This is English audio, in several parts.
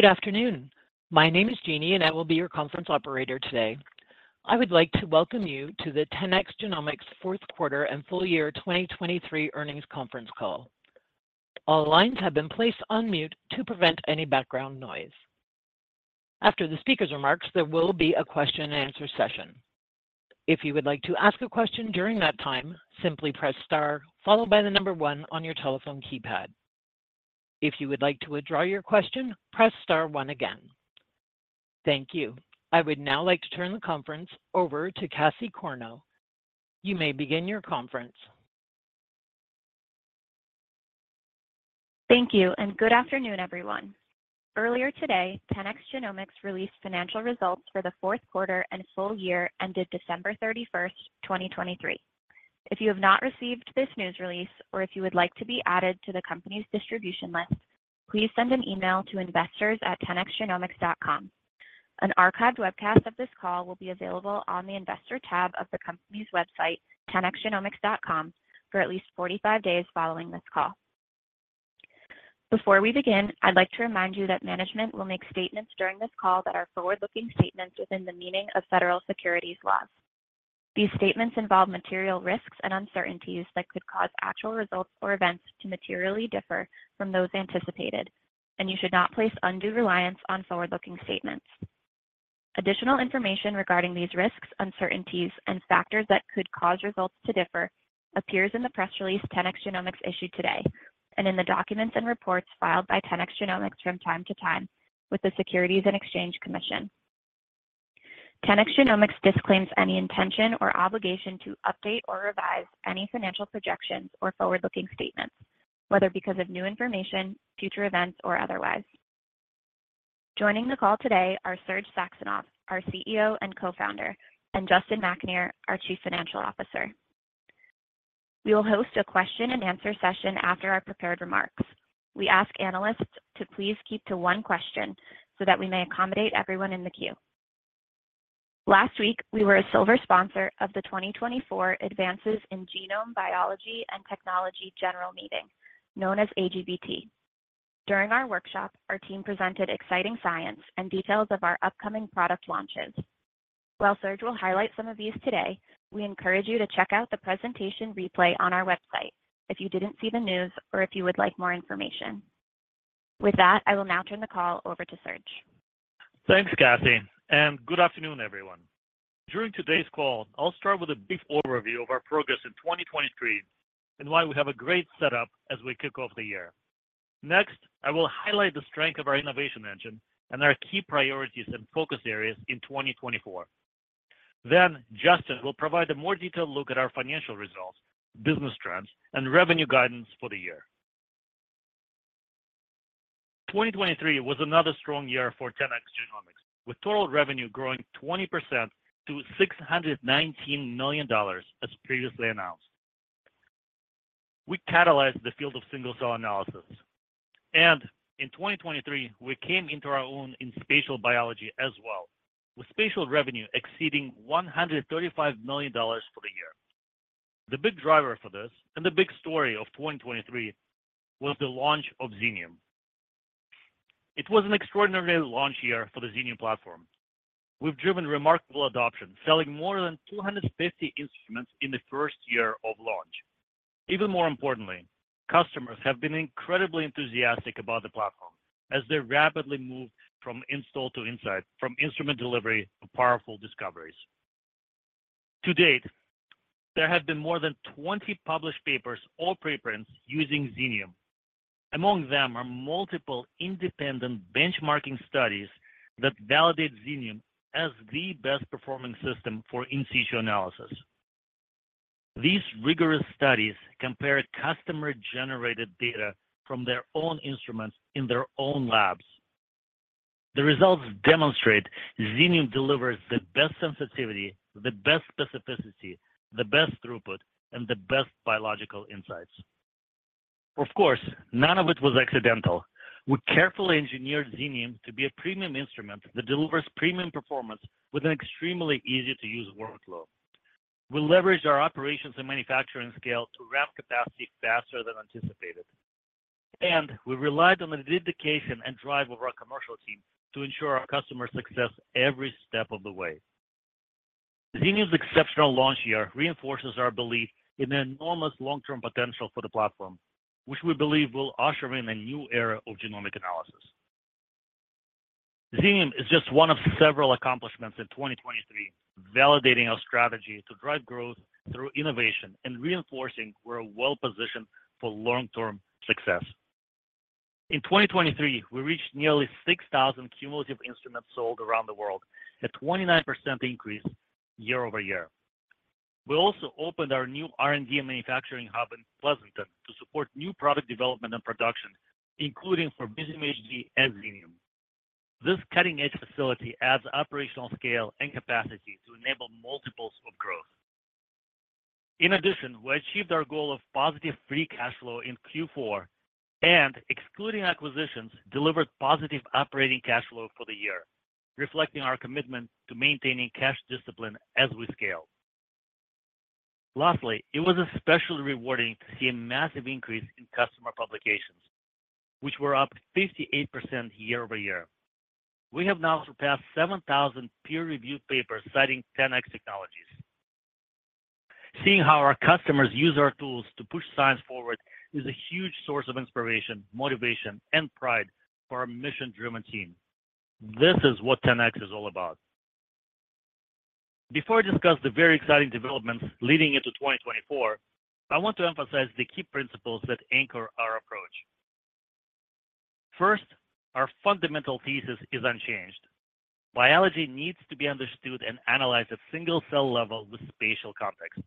Good afternoon. My name is Jeannie, and I will be your conference operator today. I would like to welcome you to the 10x Genomics fourth quarter and full year 2023 earnings conference call. All lines have been placed on mute to prevent any background noise. After the speaker's remarks, there will be a question-and-answer session. If you would like to ask a question during that time, simply press star followed by the number one on your telephone keypad. If you would like to withdraw your question, press star one again. Thank you. I would now like to turn the conference over to Cassie Corneau. You may begin your conference. Thank you, and good afternoon, everyone. Earlier today, 10x Genomics released financial results for the fourth quarter and full year ended December 31st, 2023. If you have not received this news release, or if you would like to be added to the company's distribution list, please send an email to investors@10xgenomics.com. An archived webcast of this call will be available on the investor tab of the company's website, 10xgenomics.com, for at least 45 days following this call. Before we begin, I'd like to remind you that management will make statements during this call that are forward-looking statements within the meaning of Federal Securities Laws. These statements involve material risks and uncertainties that could cause actual results or events to materially differ from those anticipated, and you should not place undue reliance on forward-looking statements. Additional information regarding these risks, uncertainties, and factors that could cause results to differ appears in the press release 10x Genomics issued today and in the documents and reports filed by 10x Genomics from time to time with the Securities and Exchange Commission. 10x Genomics disclaims any intention or obligation to update or revise any financial projections or forward-looking statements, whether because of new information, future events, or otherwise. Joining the call today are Serge Saxonov, our CEO and Co-Founder, and Justin McAnear, our Chief Financial Officer. We will host a question-and-answer session after our prepared remarks. We ask analysts to please keep to one question so that we may accommodate everyone in the queue. Last week, we were a silver sponsor of the 2024 Advances in Genome Biology and Technology General Meeting, known as AGBT. During our workshop, our team presented exciting science and details of our upcoming product launches. While Serge will highlight some of these today, we encourage you to check out the presentation replay on our website if you didn't see the news or if you would like more information. With that, I will now turn the call over to Serge. Thanks, Cassie, and good afternoon, everyone. During today's call, I'll start with a brief overview of our progress in 2023 and why we have a great setup as we kick off the year. Next, I will highlight the strength of our innovation engine and our key priorities and focus areas in 2024. Then Justin will provide a more detailed look at our financial results, business trends, and revenue guidance for the year. 2023 was another strong year for 10x Genomics, with total revenue growing 20% to $619 million as previously announced. We catalyzed the field of single-cell analysis, and in 2023, we came into our own in Spatial biology as well, with Spatial revenue exceeding $135 million for the year. The big driver for this and the big story of 2023 was the launch of Xenium. It was an extraordinary launch year for the Xenium platform. We've driven remarkable adoption, selling more than 250 instruments in the first year of launch. Even more importantly, customers have been incredibly enthusiastic about the platform as they rapidly moved from install to insight, from instrument delivery to powerful discoveries. To date, there have been more than 20 published papers, all preprints, using Xenium. Among them are multiple independent benchmarking studies that validate Xenium as the best-performing system for In Situ analysis. These rigorous studies compare customer-generated data from their own instruments in their own labs. The results demonstrate Xenium delivers the best sensitivity, the best specificity, the best throughput, and the best biological insights. Of course, none of it was accidental. We carefully engineered Xenium to be a premium instrument that delivers premium performance with an extremely easy-to-use workflow. We leveraged our operations and manufacturing scale to ramp capacity faster than anticipated, and we relied on the dedication and drive of our commercial team to ensure our customer success every step of the way. Xenium's exceptional launch year reinforces our belief in the enormous long-term potential for the platform, which we believe will usher in a new era of genomic analysis. Xenium is just one of several accomplishments in 2023, validating our strategy to drive growth through innovation and reinforcing we're well-positioned for long-term success. In 2023, we reached nearly 6,000 cumulative instruments sold around the world, a 29% increase year-over-year. We also opened our new R&D manufacturing hub in Pleasanton to support new product development and production, including for Visium HD and Xenium. This cutting-edge facility adds operational scale and capacity to enable multiples of growth. In addition, we achieved our goal of positive free cash flow in Q4, and excluding acquisitions delivered positive operating cash flow for the year, reflecting our commitment to maintaining cash discipline as we scale. Lastly, it was especially rewarding to see a massive increase in customer publications, which were up 58% year-over-year. We have now surpassed 7,000 peer-reviewed papers citing 10x technologies. Seeing how our customers use our tools to push science forward is a huge source of inspiration, motivation, and pride for our mission-driven team. This is what 10x is all about. Before I discuss the very exciting developments leading into 2024, I want to emphasize the key principles that anchor our approach. First, our fundamental thesis is unchanged. Biology needs to be understood and analyzed at single-cell level with Spatial context.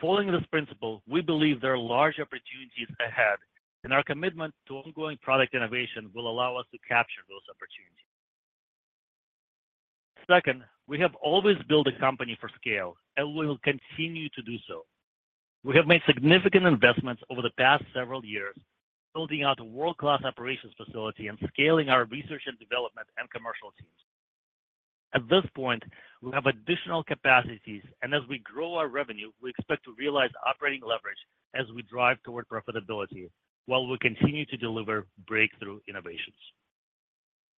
Following this principle, we believe there are large opportunities ahead, and our commitment to ongoing product innovation will allow us to capture those opportunities. Second, we have always built a company for scale, and we will continue to do so. We have made significant investments over the past several years, building out a world-class operations facility and scaling our Research and Development and Commercial teams. At this point, we have additional capacities, and as we grow our revenue, we expect to realize operating leverage as we drive toward profitability while we continue to deliver breakthrough innovations.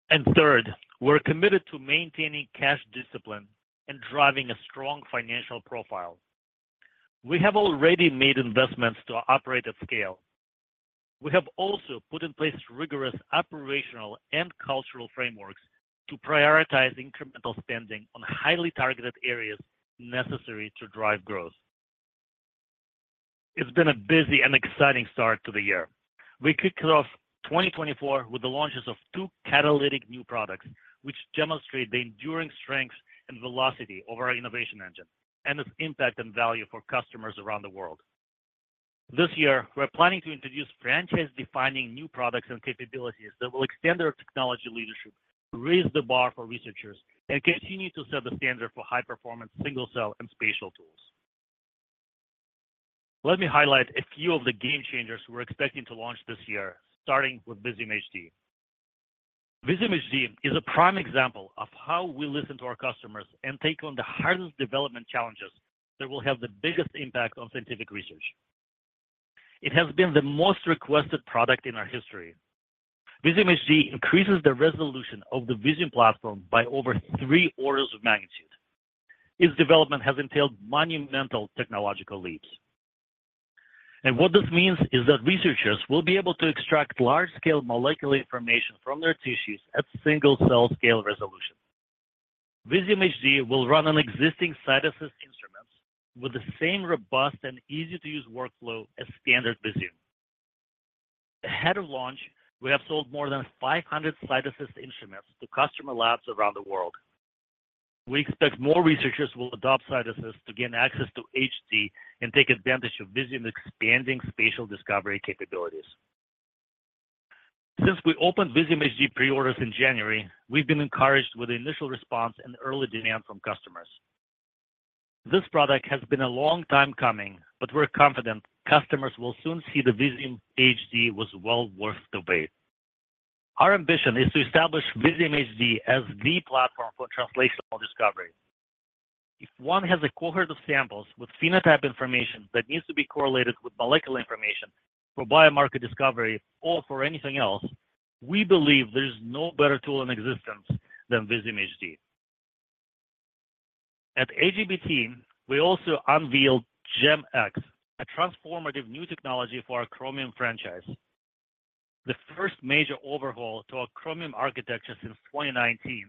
And third, we're committed to maintaining cash discipline and driving a strong financial profile. We have already made investments to operate at scale. We have also put in place rigorous operational and cultural frameworks to prioritize incremental spending on highly targeted areas necessary to drive growth. It's been a busy and exciting start to the year. We kicked off 2024 with the launches of two catalytic new products, which demonstrate the enduring strengths and velocity of our innovation engine and its impact and value for customers around the world. This year, we're planning to introduce franchise-defining new products and capabilities that will extend our technology leadership, raise the bar for researchers, and continue to set the standard for high-performance single-cell and Spatial tools. Let me highlight a few of the game-changers we're expecting to launch this year, starting with Visium HD. Visium HD is a prime example of how we listen to our customers and take on the hardest development challenges that will have the biggest impact on scientific research. It has been the most requested product in our history. Visium HD increases the resolution of the Visium platform by over three orders of magnitude. Its development has entailed monumental technological leaps. What this means is that researchers will be able to extract large-scale molecular information from their tissues at single-cell scale resolution. Visium HD will run on existing CytAssist instruments with the same robust and easy-to-use workflow as standard Visium. Ahead of launch, we have sold more than 500 CytAssist instruments to customer labs around the world. We expect more researchers will adopt CytAssist to gain access to HD and take advantage of Visium's expanding Spatial discovery capabilities. Since we opened Visium HD preorders in January, we've been encouraged with initial response and early demand from customers. This product has been a long time coming, but we're confident customers will soon see the Visium HD was well worth the wait. Our ambition is to establish Visium HD as the platform for translational discovery. If one has a cohort of samples with phenotype information that needs to be correlated with molecular information for biomarker discovery or for anything else, we believe there's no better tool in existence than Visium HD. At AGBT, we also unveiled GEM-X, a transformative new technology for our Chromium franchise. The first major overhaul to our Chromium architecture since 2019,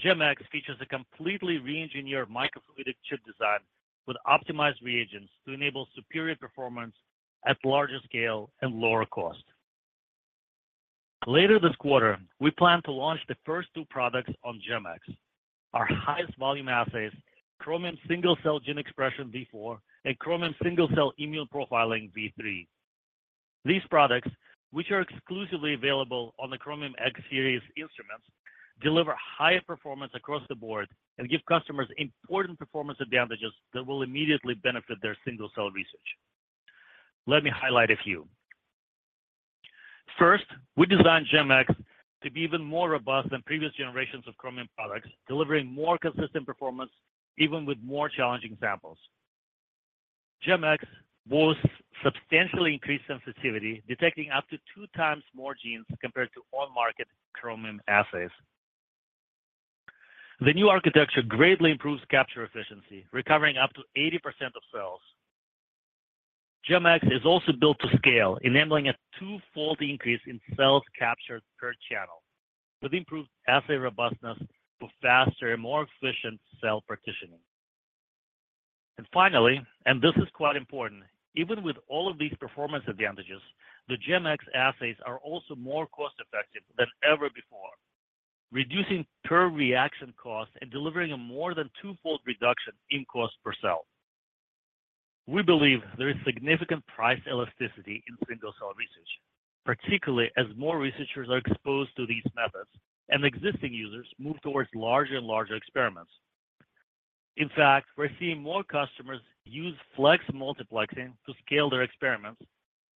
GEM-X features a completely re-engineered microfluidic chip design with optimized reagents to enable superior performance at larger scale and lower cost. Later this quarter, we plan to launch the first two products on GEM-X, our highest volume assays, Chromium Single Cell Gene Expression v4 and Chromium Single Cell Immune Profiling v3. These products, which are exclusively available on the Chromium X Series instruments, deliver high performance across the board and give customers important performance advantages that will immediately benefit their single-cell research. Let me highlight a few. First, we designed GEM-X to be even more robust than previous generations of Chromium products, delivering more consistent performance even with more challenging samples. GEM-X boosts substantially increased sensitivity, detecting up to two times more genes compared to on-market Chromium assays. The new architecture greatly improves capture efficiency, recovering up to 80% of cells. GEM-X is also built to scale, enabling a two-fold increase in cells captured per channel with improved assay robustness for faster and more efficient cell partitioning. And finally, and this is quite important, even with all of these performance advantages, the GEM-X assays are also more cost-effective than ever before, reducing per-reaction cost and delivering a more than two-fold reduction in cost per cell. We believe there is significant price elasticity in single-cell research, particularly as more researchers are exposed to these methods and existing users move towards larger and larger experiments. In fact, we're seeing more customers use Flex multiplexing to scale their experiments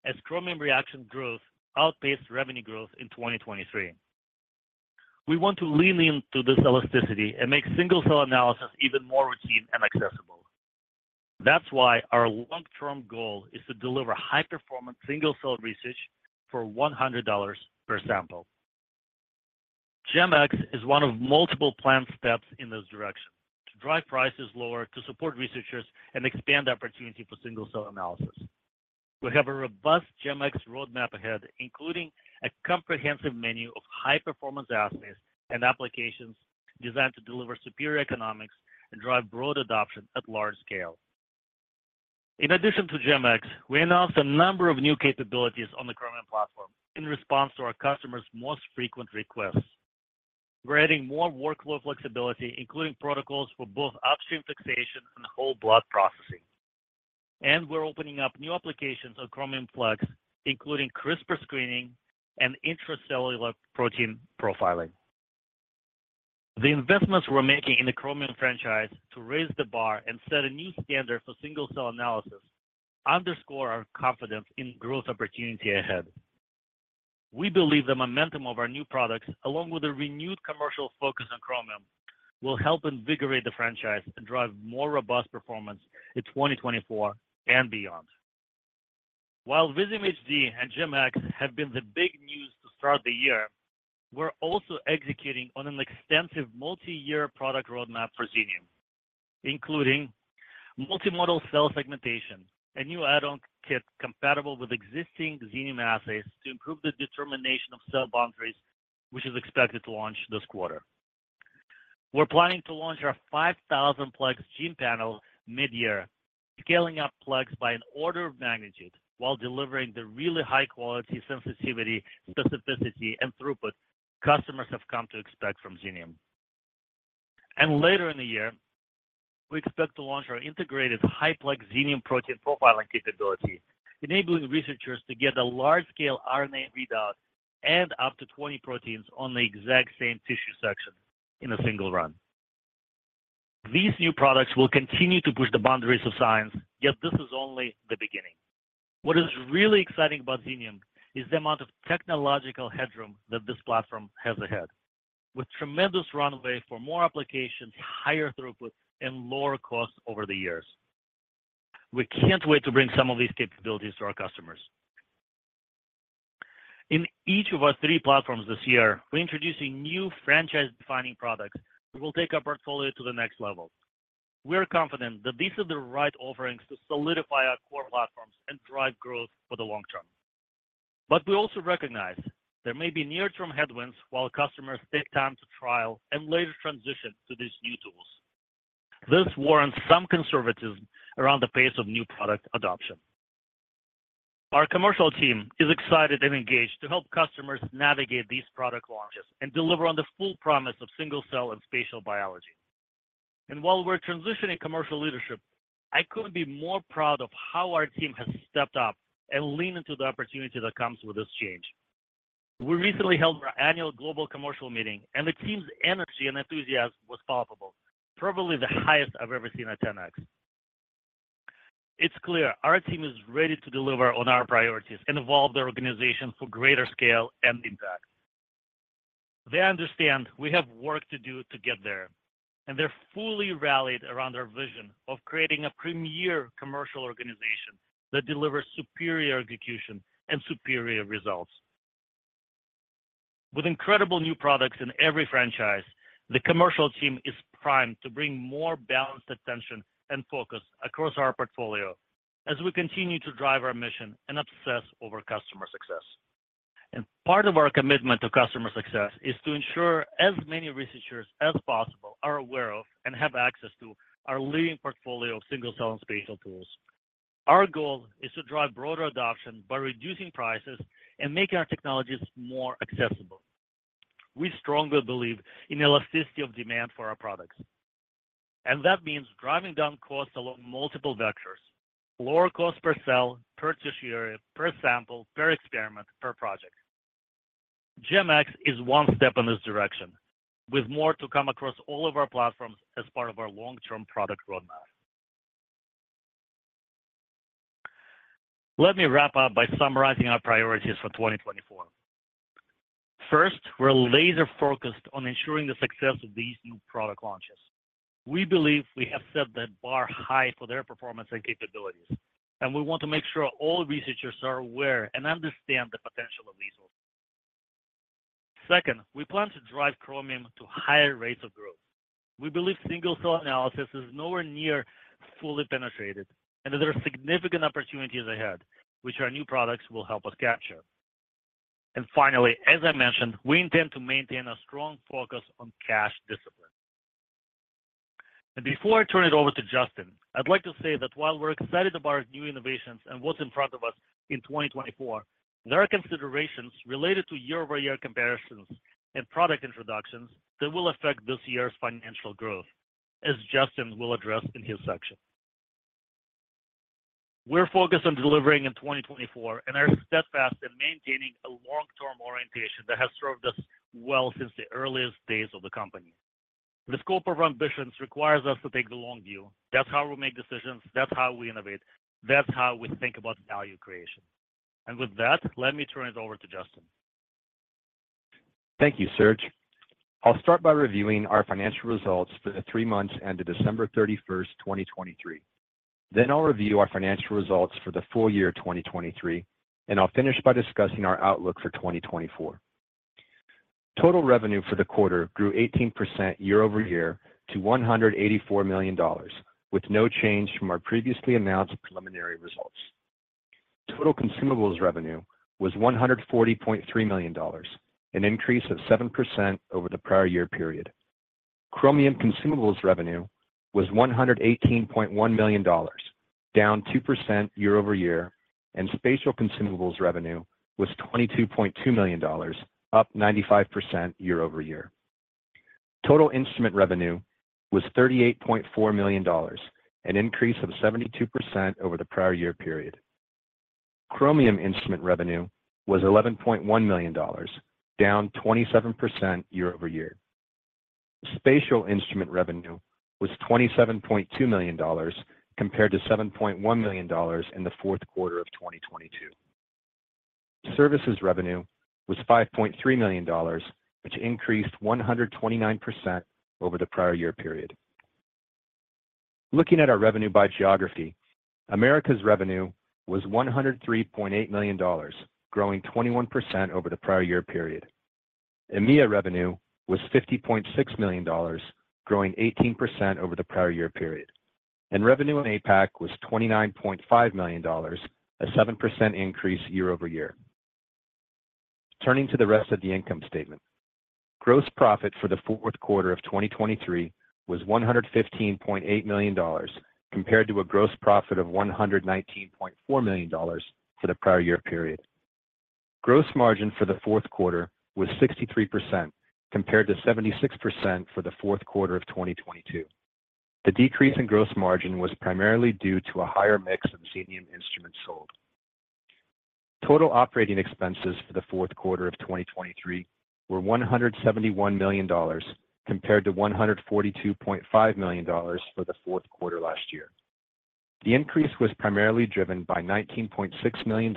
as Chromium reaction growth outpaced revenue growth in 2023. We want to lean into this elasticity and make single-cell analysis even more routine and accessible. That's why our long-term goal is to deliver high-performance single-cell research for $100 per sample. GEM-X is one of multiple planned steps in this direction to drive prices lower, to support researchers, and expand opportunity for single-cell analysis. We have a robust GEM-X roadmap ahead, including a comprehensive menu of high-performance assays and applications designed to deliver superior economics and drive broad adoption at large scale. In addition to GEM-X, we announced a number of new capabilities on the Chromium platform in response to our customers' most frequent requests. We're adding more workflow flexibility, including protocols for both upstream fixation and whole blood processing. We're opening up new applications on Chromium Flex, including CRISPR screening and intracellular protein profiling. The investments we're making in the Chromium franchise to raise the bar and set a new standard for single-cell analysis underscore our confidence in growth opportunity ahead. We believe the momentum of our new products, along with a renewed commercial focus on Chromium, will help invigorate the franchise and drive more robust performance in 2024 and beyond. While Visium HD and GEM-X have been the big news to start the year, we're also executing on an extensive multi-year product roadmap for Xenium, including multimodal cell segmentation, a new add-on kit compatible with existing Xenium assays to improve the determination of cell boundaries, which is expected to launch this quarter. We're planning to launch our 5,000-plex gene panel mid-year, scaling up plex by an order of magnitude while delivering the really high-quality sensitivity, specificity, and throughput customers have come to expect from Xenium. Later in the year, we expect to launch our integrated high-plex Xenium protein profiling capability, enabling researchers to get a large-scale RNA readout and up to 20 proteins on the exact same tissue section in a single run. These new products will continue to push the boundaries of science, yet this is only the beginning. What is really exciting about Xenium is the amount of technological headroom that this platform has ahead, with tremendous runway for more applications, higher throughput, and lower costs over the years. We can't wait to bring some of these capabilities to our customers. In each of our three platforms this year, we're introducing new franchise-defining products that will take our portfolio to the next level. We're confident that these are the right offerings to solidify our core platforms and drive growth for the long term. But we also recognize there may be near-term headwinds while customers take time to trial and later transition to these new tools. This warrants some conservatism around the pace of new product adoption. Our Commercial team is excited and engaged to help customers navigate these product launches and deliver on the full promise of single-cell and Spatial biology. And while we're transitioning commercial leadership, I couldn't be more proud of how our team has stepped up and leaned into the opportunity that comes with this change. We recently held our annual Global Commercial Meeting, and the team's energy and enthusiasm was palpable, probably the highest I've ever seen at 10x. It's clear our team is ready to deliver on our priorities and evolve their organization for greater scale and impact. They understand we have work to do to get there, and they're fully rallied around our vision of creating a premier Commercial organization that delivers superior execution and superior results. With incredible new products in every franchise, the Commercial team is primed to bring more balanced attention and focus across our portfolio as we continue to drive our mission and obsess over customer success. Part of our commitment to customer success is to ensure as many researchers as possible are aware of and have access to our leading portfolio of single-cell and Spatial tools. Our goal is to drive broader adoption by reducing prices and making our technologies more accessible. We strongly believe in elasticity of demand for our products. That means driving down costs along multiple vectors: lower cost per cell, per tissue area, per sample, per experiment, per project. GEM-X is one step in this direction with more to come across all of our platforms as part of our long-term product roadmap. Let me wrap up by summarizing our priorities for 2024. First, we're laser-focused on ensuring the success of these new product launches. We believe we have set the bar high for their performance and capabilities, and we want to make sure all researchers are aware and understand the potential of these tools. Second, we plan to drive Chromium to higher rates of growth. We believe single-cell analysis is nowhere near fully penetrated, and that there are significant opportunities ahead which our new products will help us capture. Finally, as I mentioned, we intend to maintain a strong focus on cash discipline. Before I turn it over to Justin, I'd like to say that while we're excited about our new innovations and what's in front of us in 2024, there are considerations related to year-over-year comparisons and product introductions that will affect this year's financial growth, as Justin will address in his section. We're focused on delivering in 2024 and are steadfast in maintaining a long-term orientation that has served us well since the earliest days of the company. The scope of our ambitions requires us to take the long view. That's how we make decisions. That's how we innovate. That's how we think about value creation. With that, let me turn it over to Justin. Thank you, Serge. I'll start by reviewing our financial results for the three months ending December 31st, 2023. Then I'll review our financial results for the full year 2023, and I'll finish by discussing our outlook for 2024. Total revenue for the quarter grew 18% year-over-year to $184 million, with no change from our previously announced preliminary results. Total consumables revenue was $140.3 million, an increase of 7% over the prior year period. Chromium consumables revenue was $118.1 million, down 2% year-over-year, and Spatial consumables revenue was $22.2 million, up 95% year-over-year. Total instrument revenue was $38.4 million, an increase of 72% over the prior year period. Chromium instrument revenue was $11.1 million, down 27% year-over-year. Spatial instrument revenue was $27.2 million compared to $7.1 million in the fourth quarter of 2022. Services revenue was $5.3 million, which increased 129% over the prior year period. Looking at our revenue by geography, Americas revenue was $103.8 million, growing 21% over the prior year period. EMEA revenue was $50.6 million, growing 18% over the prior year period. Revenue in APAC was $29.5 million, a 7% increase year-over-year. Turning to the rest of the income statement, gross profit for the fourth quarter of 2023 was $115.8 million compared to a gross profit of $119.4 million for the prior year period. Gross margin for the fourth quarter was 63% compared to 76% for the fourth quarter of 2022. The decrease in gross margin was primarily due to a higher mix of Xenium instruments sold. Total operating expenses for the fourth quarter of 2023 were $171 million compared to $142.5 million for the fourth quarter last year. The increase was primarily driven by $19.6 million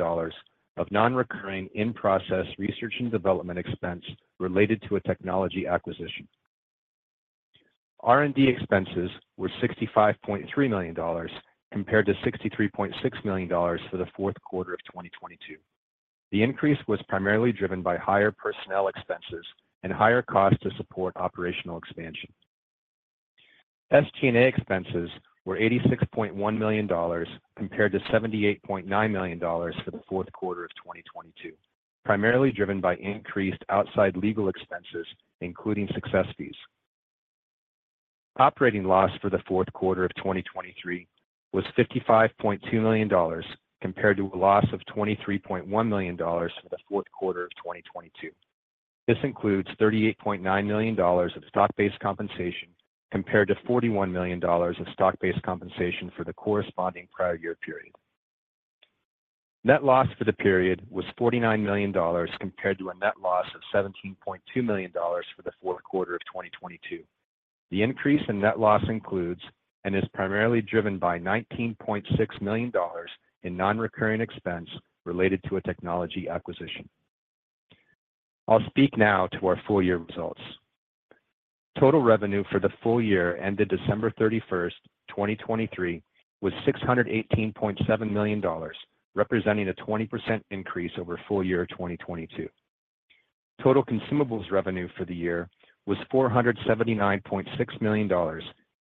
of non-recurring in-process research and development expense related to a technology acquisition. R&D expenses were $65.3 million compared to $63.6 million for the fourth quarter of 2022. The increase was primarily driven by higher personnel expenses and higher costs to support operational expansion. SG&A expenses were $86.1 million compared to $78.9 million for the fourth quarter of 2022, primarily driven by increased outside legal expenses, including success fees. Operating loss for the fourth quarter of 2023 was $55.2 million compared to a loss of $23.1 million for the fourth quarter of 2022. This includes $38.9 million of stock-based compensation compared to $41 million of stock-based compensation for the corresponding prior year period. Net loss for the period was $49 million compared to a net loss of $17.2 million for the fourth quarter of 2022. The increase in net loss includes and is primarily driven by $19.6 million in non-recurring expense related to a technology acquisition. I'll speak now to our full year results. Total revenue for the full year ending December 31st, 2023, was $618.7 million, representing a 20% increase over full year 2022. Total consumables revenue for the year was $479.6 million,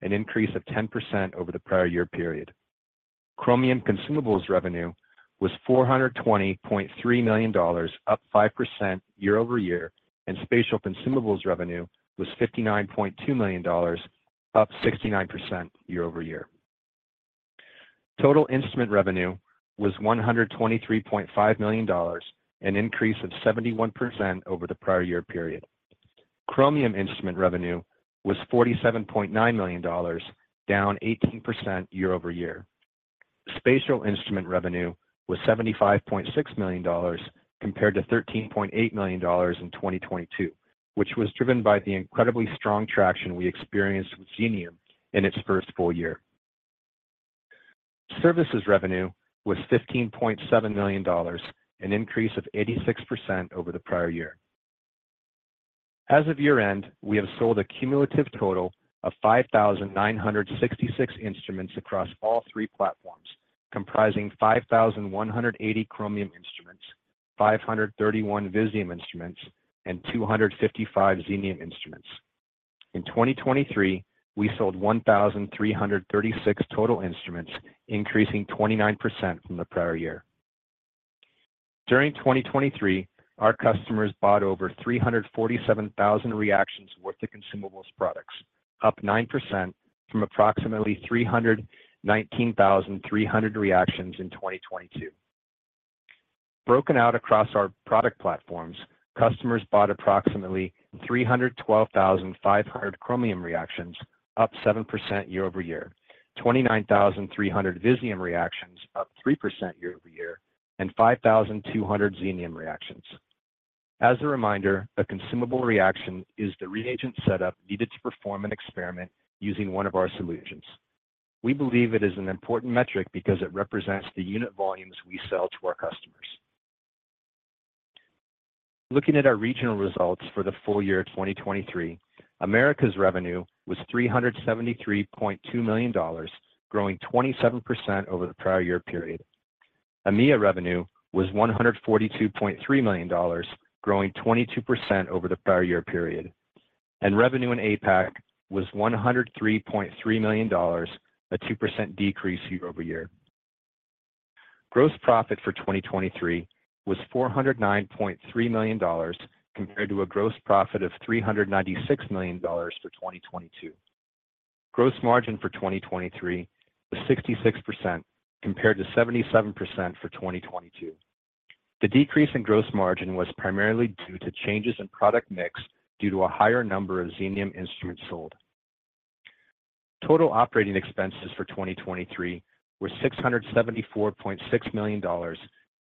an increase of 10% over the prior year period. Chromium consumables revenue was $420.3 million, up 5% year-over-year, and Spatial consumables revenue was $59.2 million, up 69% year-over-year. Total instrument revenue was $123.5 million, an increase of 71% over the prior year period. Chromium instrument revenue was $47.9 million, down 18% year-over-year. Spatial instrument revenue was $75.6 million compared to $13.8 million in 2022, which was driven by the incredibly strong traction we experienced with Xenium in its first full year. Services revenue was $15.7 million, an increase of 86% over the prior year. As of year-end, we have sold a cumulative total of 5,966 instruments across all three platforms, comprising 5,180 Chromium instruments, 531 Visium instruments, and 255 Xenium instruments. In 2023, we sold 1,336 total instruments, increasing 29% from the prior year. During 2023, our customers bought over 347,000 reactions worth of consumables products, up 9% from approximately 319,300 reactions in 2022. Broken out across our product platforms, customers bought approximately 312,500 Chromium reactions, up 7% year-over-year, 29,300 Visium reactions, up 3% year-over-year, and 5,200 Xenium reactions. As a reminder, a consumable reaction is the reagent setup needed to perform an experiment using one of our solutions. We believe it is an important metric because it represents the unit volumes we sell to our customers. Looking at our regional results for the full year 2023, Americas revenue was $373.2 million, growing 27% over the prior year period. EMEA revenue was $142.3 million, growing 22% over the prior year period. Revenue in APAC was $103.3 million, a 2% decrease year-over-year. Gross profit for 2023 was $409.3 million compared to a gross profit of $396 million for 2022. Gross margin for 2023 was 66% compared to 77% for 2022. The decrease in gross margin was primarily due to changes in product mix due to a higher number of Xenium instruments sold. Total operating expenses for 2023 were $674.6 million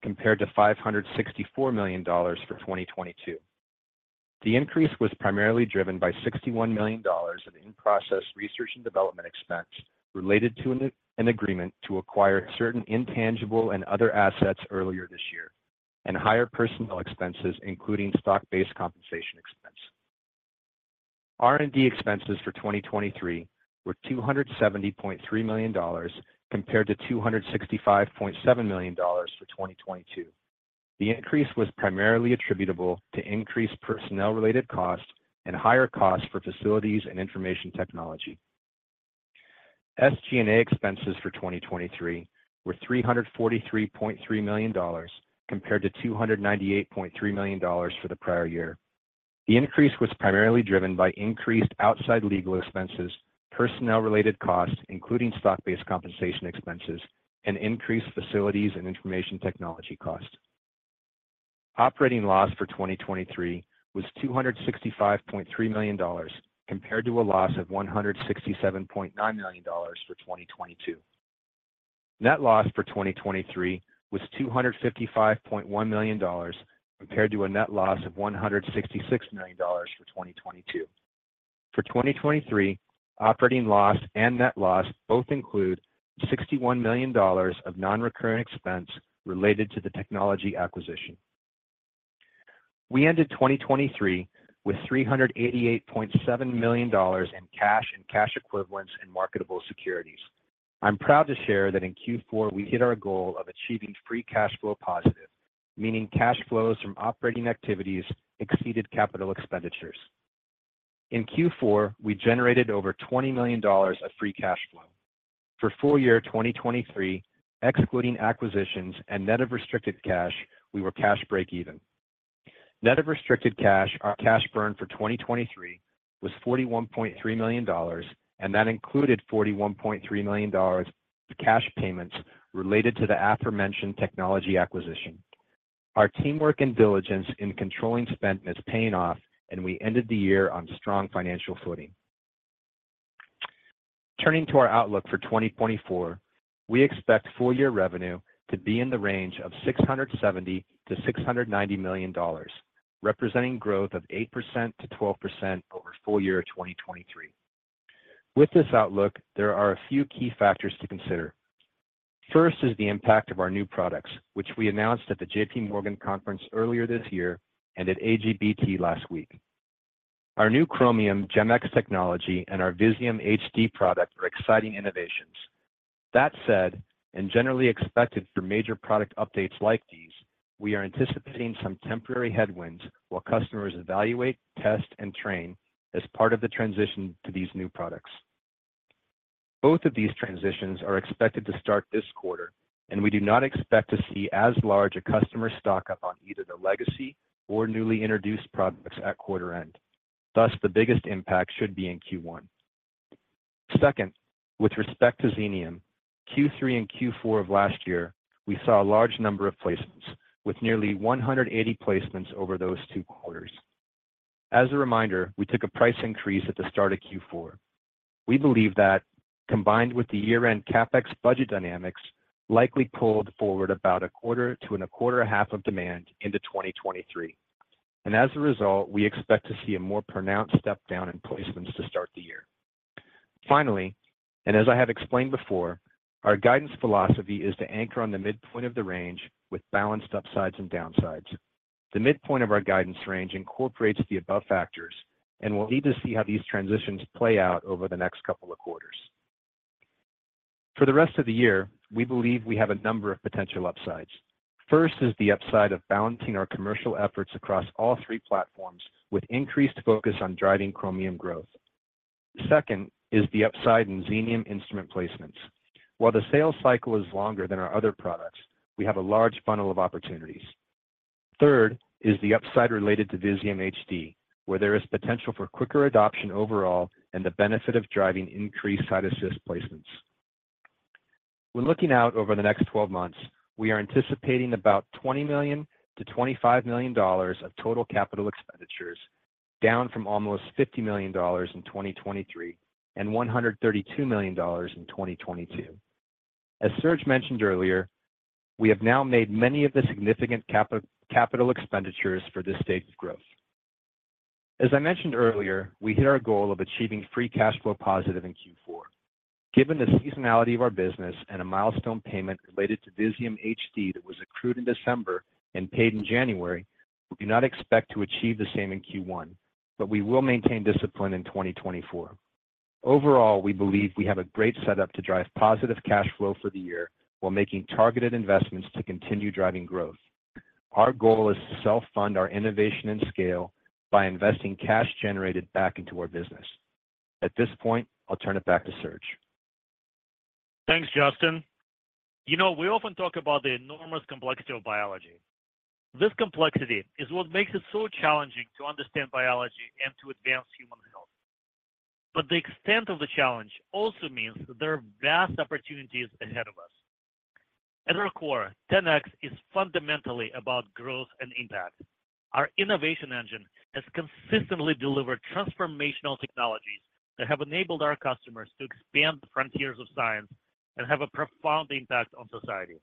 compared to $564 million for 2022. The increase was primarily driven by $61 million in in-process research and development expense related to an agreement to acquire certain intangible and other assets earlier this year, and higher personnel expenses, including stock-based compensation expense. R&D expenses for 2023 were $270.3 million compared to $265.7 million for 2022. The increase was primarily attributable to increased personnel-related costs and higher costs for facilities and information technology. SG&A expenses for 2023 were $343.3 million compared to $298.3 million for the prior year. The increase was primarily driven by increased outside legal expenses, personnel-related costs, including stock-based compensation expenses, and increased facilities and information technology costs. Operating loss for 2023 was $265.3 million compared to a loss of $167.9 million for 2022. Net loss for 2023 was $255.1 million compared to a net loss of $166 million for 2022. For 2023, operating loss and net loss both include $61 million of non-recurring expense related to the technology acquisition. We ended 2023 with $388.7 million in cash and cash equivalents in marketable securities. I'm proud to share that in Q4, we hit our goal of achieving free cash flow positive, meaning cash flows from operating activities exceeded capital expenditures. In Q4, we generated over $20 million of free cash flow. For full year 2023, excluding acquisitions and net of restricted cash, we were cash break even. Net of restricted cash, our cash burn for 2023, was $41.3 million, and that included $41.3 million of cash payments related to the aforementioned technology acquisition. Our teamwork and diligence in controlling spending is paying off, and we ended the year on strong financial footing. Turning to our outlook for 2024, we expect full year revenue to be in the range of $670 million-$690 million, representing growth of 8%-12% over full year 2023. With this outlook, there are a few key factors to consider. First is the impact of our new products, which we announced at the JPMorgan conference earlier this year and at AGBT last week. Our new Chromium GEM-X technology and our Visium HD product are exciting innovations. That said, and generally expected for major product updates like these, we are anticipating some temporary headwinds while customers evaluate, test, and train as part of the transition to these new products. Both of these transitions are expected to start this quarter, and we do not expect to see as large a customer stock up on either the legacy or newly introduced products at quarter-end. Thus, the biggest impact should be in Q1. Second, with respect to Xenium, Q3 and Q4 of last year, we saw a large number of placements, with nearly 180 placements over those two quarters. As a reminder, we took a price increase at the start of Q4. We believe that, combined with the year-end CapEx budget dynamics, likely pulled forward about a quarter to a quarter and a half of demand into 2023. As a result, we expect to see a more pronounced step down in placements to start the year. Finally, as I have explained before, our guidance philosophy is to anchor on the midpoint of the range with balanced upsides and downsides. The midpoint of our guidance range incorporates the above factors, and we'll need to see how these transitions play out over the next couple of quarters. For the rest of the year, we believe we have a number of potential upsides. First is the upside of balancing our commercial efforts across all three platforms with increased focus on driving Chromium growth. Second is the upside in Xenium instrument placements. While the sales cycle is longer than our other products, we have a large funnel of opportunities. Third is the upside related to Visium HD, where there is potential for quicker adoption overall and the benefit of driving increased CytAssist placements. When looking out over the next 12 months, we are anticipating about $20 million-$25 million of total capital expenditures, down from almost $50 million in 2023 and $132 million in 2022. As Serge mentioned earlier, we have now made many of the significant capital expenditures for this stage of growth. As I mentioned earlier, we hit our goal of achieving free cash flow positive in Q4. Given the seasonality of our business and a milestone payment related to Visium HD that was accrued in December and paid in January, we do not expect to achieve the same in Q1, but we will maintain discipline in 2024. Overall, we believe we have a great setup to drive positive cash flow for the year while making targeted investments to continue driving growth. Our goal is to self-fund our innovation and scale by investing cash generated back into our business. At this point, I'll turn it back to Serge. Thanks, Justin. We often talk about the enormous complexity of biology. This complexity is what makes it so challenging to understand biology and to advance human health. But the extent of the challenge also means there are vast opportunities ahead of us. At our core, 10x is fundamentally about growth and impact. Our innovation engine has consistently delivered transformational technologies that have enabled our customers to expand the frontiers of science and have a profound impact on society.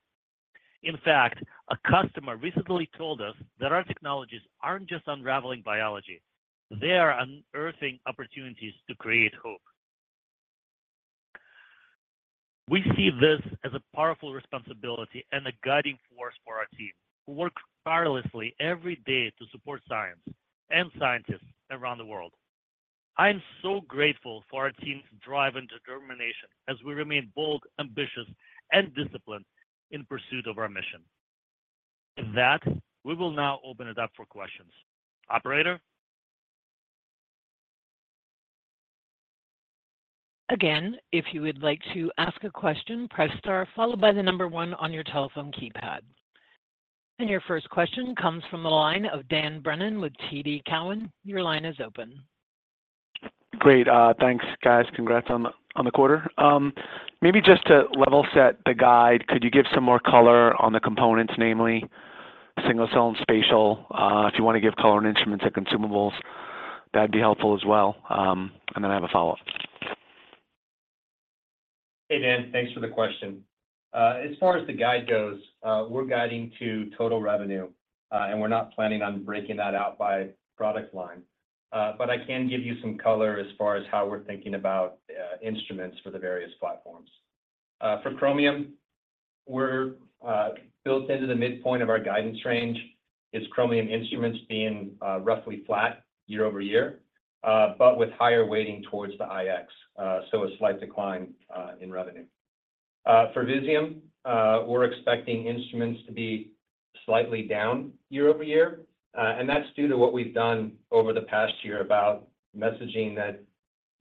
In fact, a customer recently told us that our technologies aren't just unraveling biology. They are unearthing opportunities to create hope. We see this as a powerful responsibility and a guiding force for our team, who work tirelessly every day to support science and scientists around the world. I am so grateful for our team's drive and determination as we remain bold, ambitious, and disciplined in pursuit of our mission. With that, we will now open it up for questions. Operator? Again, if you would like to ask a question, press star one on your telephone keypad. Your first question comes from the line of Dan Brennan with TD Cowen. Your line is open. Great. Thanks, guys. Congrats on the quarter. Maybe just to level set the guide, could you give some more color on the components, namely single-cell and Spatial? If you want to give color on instruments and consumables, that'd be helpful as well. And then I have a follow-up. Hey, Dan. Thanks for the question. As far as the guide goes, we're guiding to total revenue, and we're not planning on breaking that out by product line. But I can give you some color as far as how we're thinking about instruments for the various platforms. For Chromium, built into the midpoint of our guidance range is Chromium instruments being roughly flat year-over-year, but with higher weighting towards the iX, so a slight decline in revenue. For Visium, we're expecting instruments to be slightly down year-over-year. And that's due to what we've done over the past year about messaging that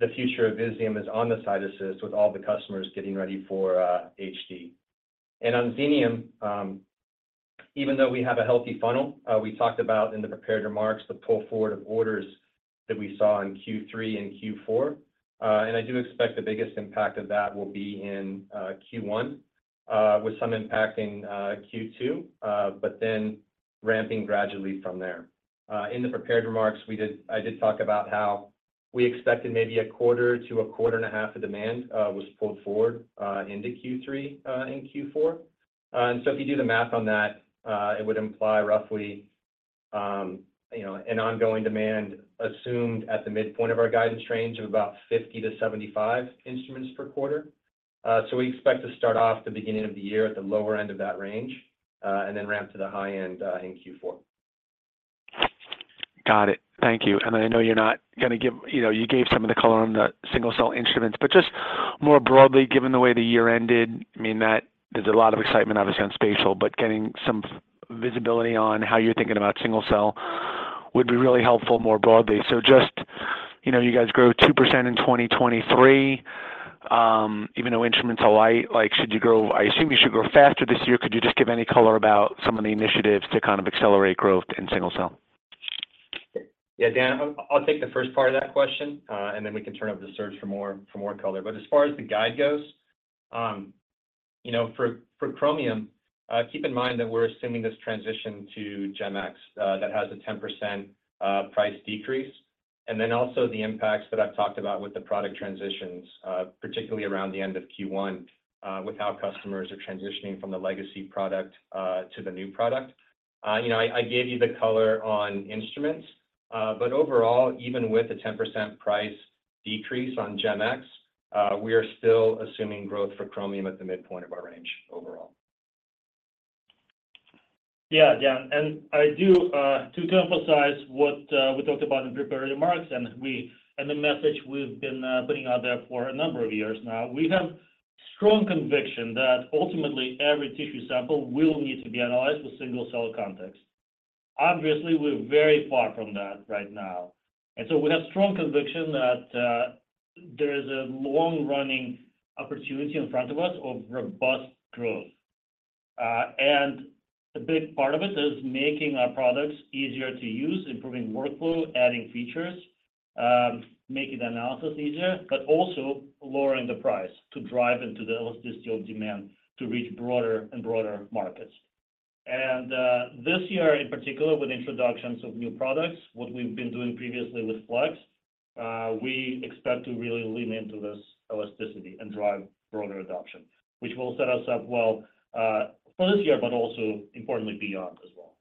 the future of Visium is on the CytAssist with all the customers getting ready for HD. On Xenium, even though we have a healthy funnel, we talked about in the prepared remarks the pull forward of orders that we saw in Q3 and Q4. I do expect the biggest impact of that will be in Q1, with some impact in Q2, but then ramping gradually from there. In the prepared remarks, I did talk about how we expected maybe a quarter to a quarter and a half of demand was pulled forward into Q3 and Q4. So if you do the math on that, it would imply roughly an ongoing demand assumed at the midpoint of our guidance range of about 50-75 instruments per quarter. So we expect to start off the beginning of the year at the lower end of that range and then ramp to the high end in Q4. Got it. Thank you. And I know you're not going to give. You gave some of the color on the single-cell instruments. But just more broadly, given the way the year ended, I mean, there's a lot of excitement, obviously, on Spatial. But getting some visibility on how you're thinking about single-cell would be really helpful more broadly. So just you guys grow 2% in 2023, even though instruments are light. Should you grow? I assume you should grow faster this year. Could you just give any color about some of the initiatives to kind of accelerate growth in single-cell? Yeah, Dan. I'll take the first part of that question, and then we can turn over to Serge for more color. But as far as the guide goes, for Chromium, keep in mind that we're assuming this transition to GEM-X that has a 10% price decrease. And then also the impacts that I've talked about with the product transitions, particularly around the end of Q1, with how customers are transitioning from the legacy product to the new product. I gave you the color on instruments. But overall, even with a 10% price decrease on GEM-X, we are still assuming growth for Chromium at the midpoint of our range overall. Yeah, Dan. And I do, too, to emphasize what we talked about in prepared remarks and the message we've been putting out there for a number of years now. We have strong conviction that ultimately, every tissue sample will need to be analyzed with single-cell context. Obviously, we're very far from that right now. And so we have strong conviction that there is a long-running opportunity in front of us of robust growth. And a big part of it is making our products easier to use, improving workflow, adding features, making the analysis easier, but also lowering the price to drive into the elasticity of demand to reach broader and broader markets. This year, in particular, with introductions of new products, what we've been doing previously with Flex, we expect to really lean into this elasticity and drive broader adoption, which will set us up well for this year, but also, importantly, beyond as well.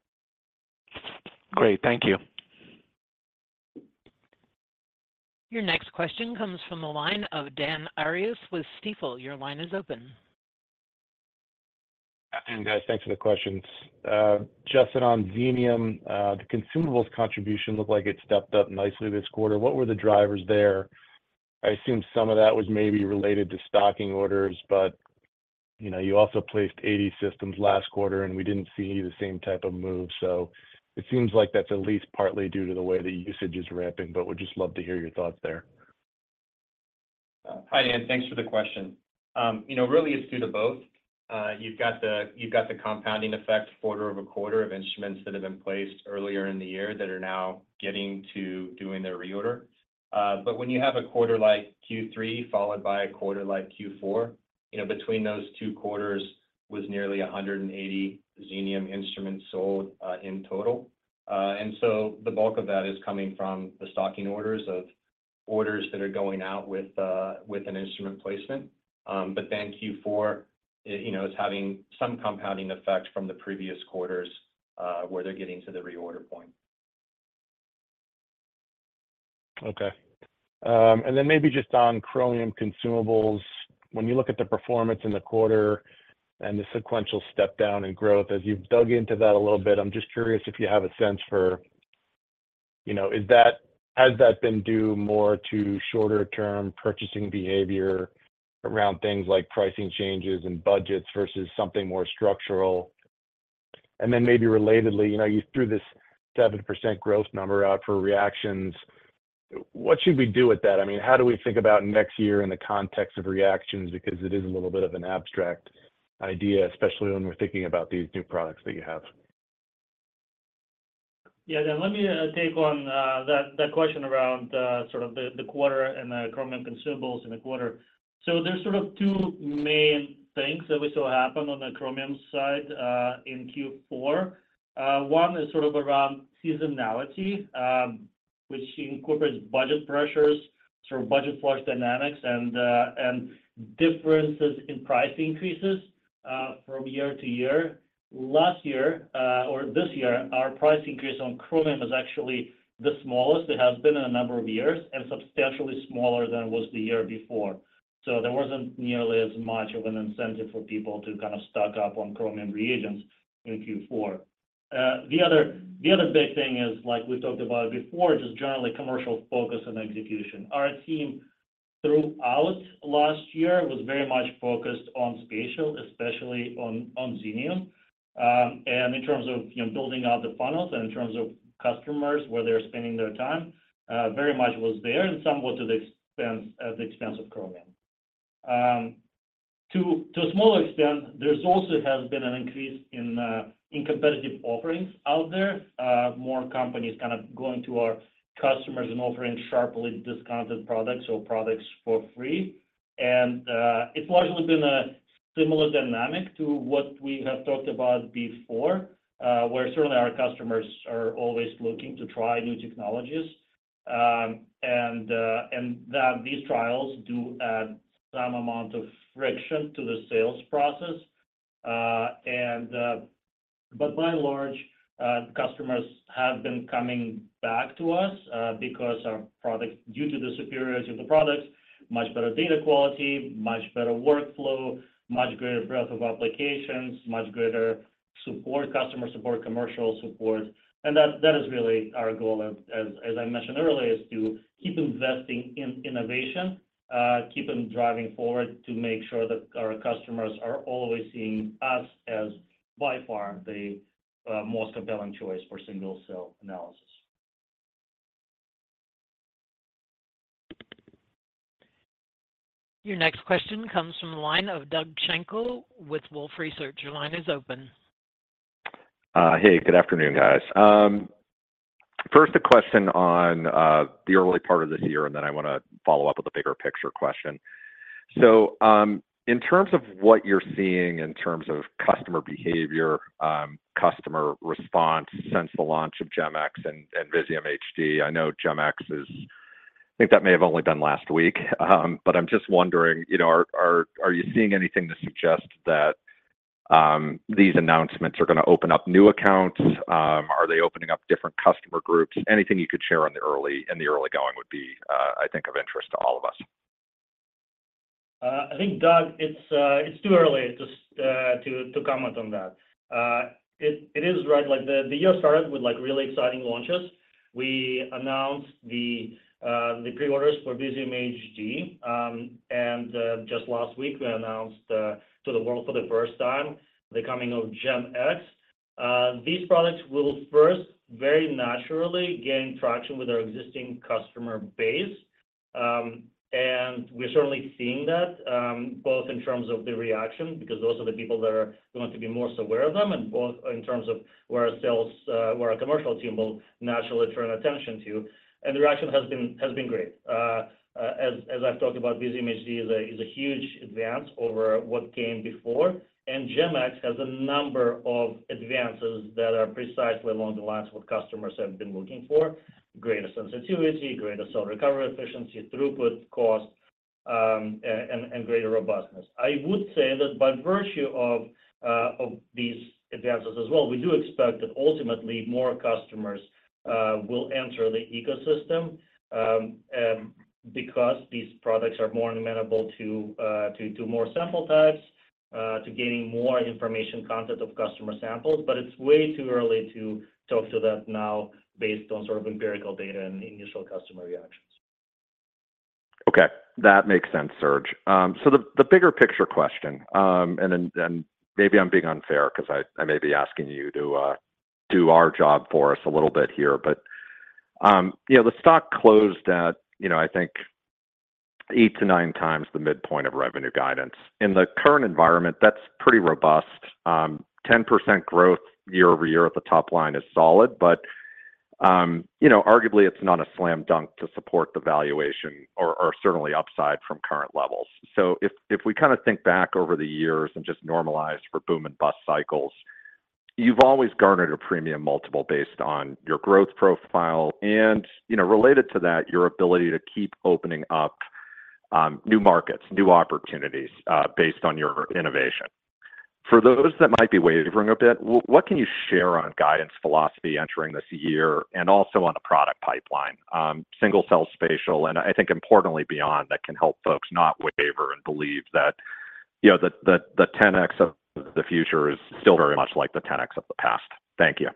Great. Thank you. Your next question comes from the line of Dan Arias with Stifel. Your line is open. Hey, guys. Thanks for the questions. Justin, on Xenium, the consumables contribution looked like it stepped up nicely this quarter. What were the drivers there? I assume some of that was maybe related to stocking orders. But you also placed 80 systems last quarter, and we didn't see any of the same type of move. So it seems like that's at least partly due to the way that usage is ramping. But we'd just love to hear your thoughts there. Hi, Dan. Thanks for the question. Really, it's due to both. You've got the compounding effect, quarter-over-quarter, of instruments that have been placed earlier in the year that are now getting to doing their reorder. But when you have a quarter like Q3 followed by a quarter like Q4, between those two quarters was nearly 180 Xenium instruments sold in total. And so the bulk of that is coming from the stocking orders of orders that are going out with an instrument placement. But then Q4 is having some compounding effect from the previous quarters where they're getting to the reorder point. Okay. And then maybe just on Chromium consumables, when you look at the performance in the quarter and the sequential step-down in growth, as you've dug into that a little bit, I'm just curious if you have a sense for has that been due more to shorter-term purchasing behavior around things like pricing changes and budgets versus something more structural? And then maybe relatedly, you threw this 7% growth number out for reactions. What should we do with that? I mean, how do we think about next year in the context of reactions? Because it is a little bit of an abstract idea, especially when we're thinking about these new products that you have. Yeah, Dan. Let me take on that question around sort of the quarter and the Chromium consumables in the quarter. So there's sort of two main things that we saw happen on the Chromium side in Q4. One is sort of around seasonality, which incorporates budget pressures, sort of budget flush dynamics, and differences in price increases from year to year. Last year or this year, our price increase on Chromium is actually the smallest it has been in a number of years and substantially smaller than it was the year before. So there wasn't nearly as much of an incentive for people to kind of stock up on Chromium reagents in Q4. The other big thing is, like we've talked about before, just generally commercial focus and execution. Our team throughout last year was very much focused on Spatial, especially on Xenium. In terms of building out the funnels and in terms of customers, where they're spending their time, very much was there and somewhat to the expense of Chromium. To a smaller extent, there also has been an increase in competitive offerings out there. More companies kind of going to our customers and offering sharply discounted products or products for free. And it's largely been a similar dynamic to what we have talked about before, where certainly our customers are always looking to try new technologies. And these trials do add some amount of friction to the sales process. But by and large, customers have been coming back to us because due to the superiority of the products, much better data quality, much better workflow, much greater breadth of applications, much greater support, customer support, commercial support. That is really our goal, as I mentioned earlier, is to keep investing in innovation, keep them driving forward to make sure that our customers are always seeing us as by far the most compelling choice for single-cell analysis. Your next question comes from the line of Doug Schenkel with Wolfe Research. Your line is open. Hey. Good afternoon, guys. First, a question on the early part of this year, and then I want to follow up with a bigger picture question. So in terms of what you're seeing in terms of customer behavior, customer response since the launch of GEM-X and Visium HD, I know GEM-X is I think that may have only been last week. But I'm just wondering, are you seeing anything to suggest that these announcements are going to open up new accounts? Are they opening up different customer groups? Anything you could share in the early going would be, I think, of interest to all of us. I think, Doug, it's too early just to comment on that. It is right. The year started with really exciting launches. We announced the preorders for Visium HD. And just last week, we announced to the world for the first time the coming of GEM-X. These products will first, very naturally, gain traction with our existing customer base. And we're certainly seeing that both in terms of the reaction because those are the people that are going to be more aware of them and both in terms of where our commercial team will naturally turn attention to. And the reaction has been great. As I've talked about, Visium HD is a huge advance over what came before. And GEM-X has a number of advances that are precisely along the lines of what customers have been looking for: greater sensitivity, greater cell recovery efficiency, throughput cost, and greater robustness. I would say that by virtue of these advances as well, we do expect that ultimately, more customers will enter the ecosystem because these products are more amenable to more sample types, to gaining more information content of customer samples. But it's way too early to talk to that now based on sort of empirical data and initial customer reactions. Okay. That makes sense, Serge. So the bigger picture question and maybe I'm being unfair because I may be asking you to do our job for us a little bit here. But the stock closed at, I think, eight to nine times the midpoint of revenue guidance. In the current environment, that's pretty robust. 10% growth year-over-year at the top line is solid. But arguably, it's not a slam dunk to support the valuation or certainly upside from current levels. So if we kind of think back over the years and just normalize for boom and bust cycles, you've always garnered a premium multiple based on your growth profile. And related to that, your ability to keep opening up new markets, new opportunities based on your innovation. For those that might be wavering a bit, what can you share on guidance philosophy entering this year and also on the product pipeline, single-cell, Spatial, and I think, importantly, beyond that can help folks not waver and believe that the 10x of the future is still very much like the 10x of the past? Thank you.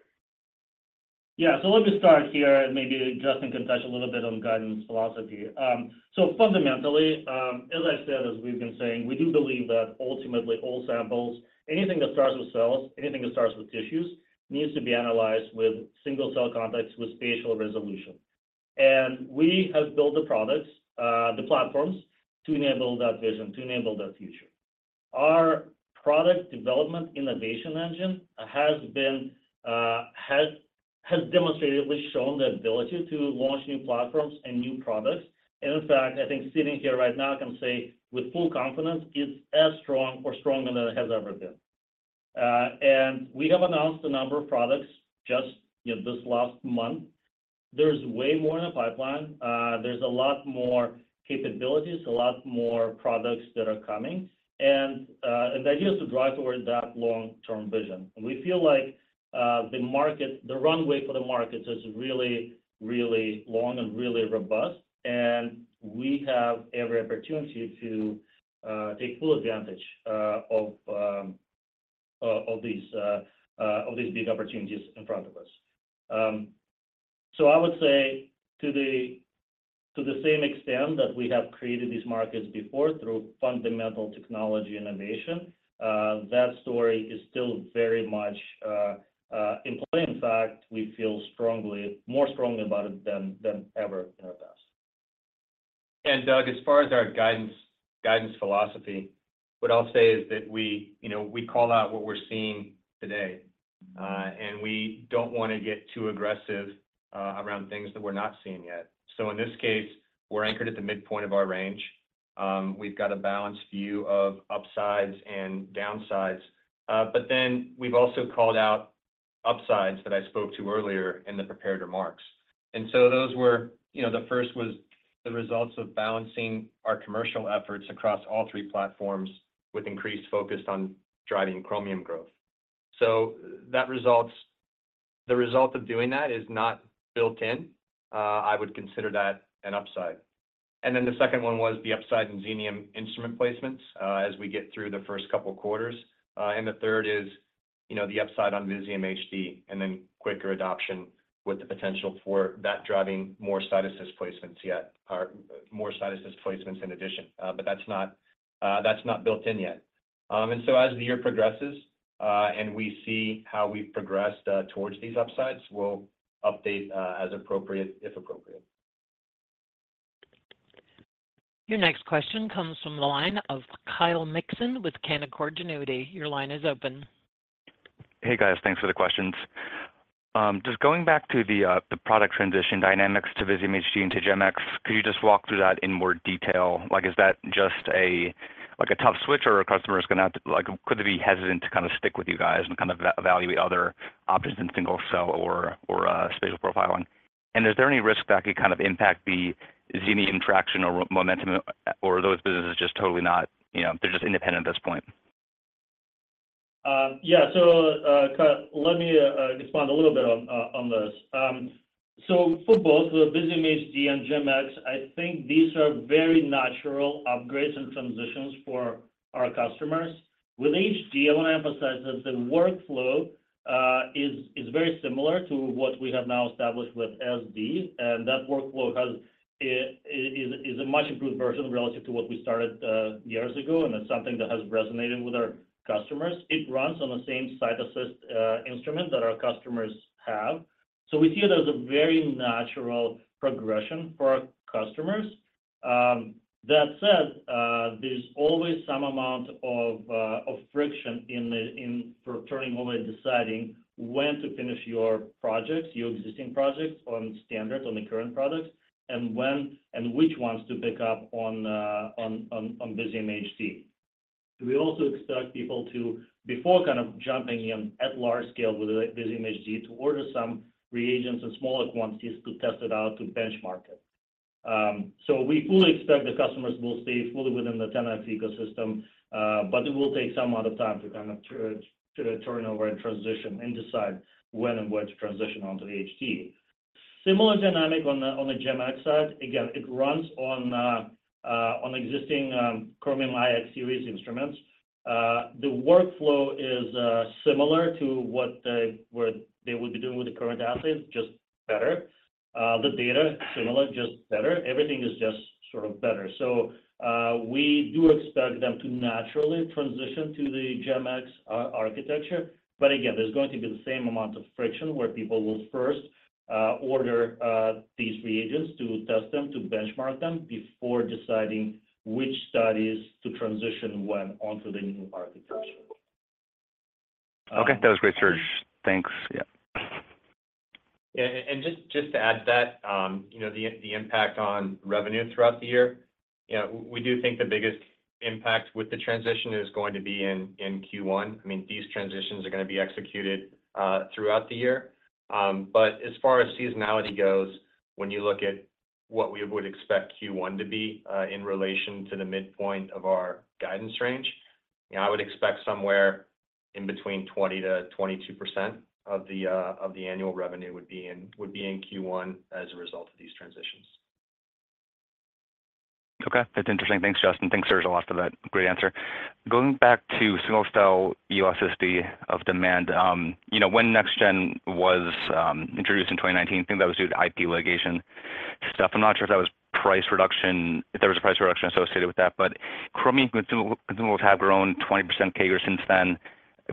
Yeah. Let me start here. Maybe Justin can touch a little bit on guidance philosophy. Fundamentally, as I've said, as we've been saying, we do believe that ultimately, anything that starts with cells, anything that starts with tissues needs to be analyzed with single-cell context, with Spatial resolution. We have built the products, the platforms to enable that vision, to enable that future. Our product development innovation engine has demonstrably shown the ability to launch new platforms and new products. In fact, I think sitting here right now, I can say with full confidence, it's as strong or stronger than it has ever been. We have announced a number of products just this last month. There's way more in the pipeline. There's a lot more capabilities, a lot more products that are coming. The idea is to drive toward that long-term vision. We feel like the runway for the markets is really, really long and really robust. We have every opportunity to take full advantage of these big opportunities in front of us. I would say to the same extent that we have created these markets before through fundamental technology innovation, that story is still very much in play. In fact, we feel more strongly about it than ever in the past. Doug, as far as our guidance philosophy, what I'll say is that we call out what we're seeing today. We don't want to get too aggressive around things that we're not seeing yet. In this case, we're anchored at the midpoint of our range. We've got a balanced view of upsides and downsides. Then we've also called out upsides that I spoke to earlier in the prepared remarks. And so the first was the results of balancing our commercial efforts across all three platforms with increased focus on driving Chromium growth. So the result of doing that is not built in. I would consider that an upside. And then the second one was the upside in Xenium instrument placements as we get through the first couple of quarters. And the third is the upside on Visium HD and then quicker adoption with the potential for that driving more CytAssist placements yet, more CytAssist placements in addition. But that's not built in yet. And so as the year progresses and we see how we've progressed towards these upsides, we'll update as appropriate if appropriate. Your next question comes from the line of Kyle Mikson with Canaccord Genuity. Your line is open. Hey, guys. Thanks for the questions. Just going back to the product transition dynamics to Visium HD and to GEM-X, could you just walk through that in more detail? Is that just a tough switch, or could they be hesitant to kind of stick with you guys and kind of evaluate other options in single-cell or Spatial profiling? And is there any risk that could kind of impact the Xenium traction or momentum, or are those businesses just totally they're just independent at this point? Yeah. So let me respond a little bit on this. So for both, Visium HD and GEM-X, I think these are very natural upgrades and transitions for our customers. With HD, I want to emphasize that the workflow is very similar to what we have now established with SD. And that workflow is a much improved version relative to what we started years ago. And it's something that has resonated with our customers. It runs on the same CytAssist instrument that our customers have. So we see it as a very natural progression for our customers. That said, there's always some amount of friction for turning over and deciding when to finish your projects, your existing projects on standard, on the current products, and which ones to pick up on Visium HD. We also expect people to, before kind of jumping in at large scale with Visium HD, order some reagents in smaller quantities to test it out, to benchmark it. So we fully expect the customers will stay fully within the 10x ecosystem. But it will take some amount of time to kind of turn over and transition and decide when and where to transition onto the HD. Similar dynamic on the GEM-X side. Again, it runs on existing Chromium iX series instruments. The workflow is similar to what they would be doing with the current assays, just better. The data is similar, just better. Everything is just sort of better. So we do expect them to naturally transition to the GEM-X architecture. But again, there's going to be the same amount of friction where people will first order these reagents to test them, to benchmark them before deciding which studies to transition when onto the new architecture. Okay. That was great, Serge. Thanks. Yeah. Just to add to that, the impact on revenue throughout the year, we do think the biggest impact with the transition is going to be in Q1. I mean, these transitions are going to be executed throughout the year. But as far as seasonality goes, when you look at what we would expect Q1 to be in relation to the midpoint of our guidance range, I would expect somewhere in between 20%-22% of the annual revenue would be in Q1 as a result of these transitions. Okay. That's interesting. Thanks, Justin. Thanks, Serge, a lot for that great answer. Going back to single-cell elasticity of demand, when NextGen was introduced in 2019, I think that was due to IP litigation stuff. I'm not sure if that was price reduction if there was a price reduction associated with that. But Chromium consumables have grown 20% CAGR since then,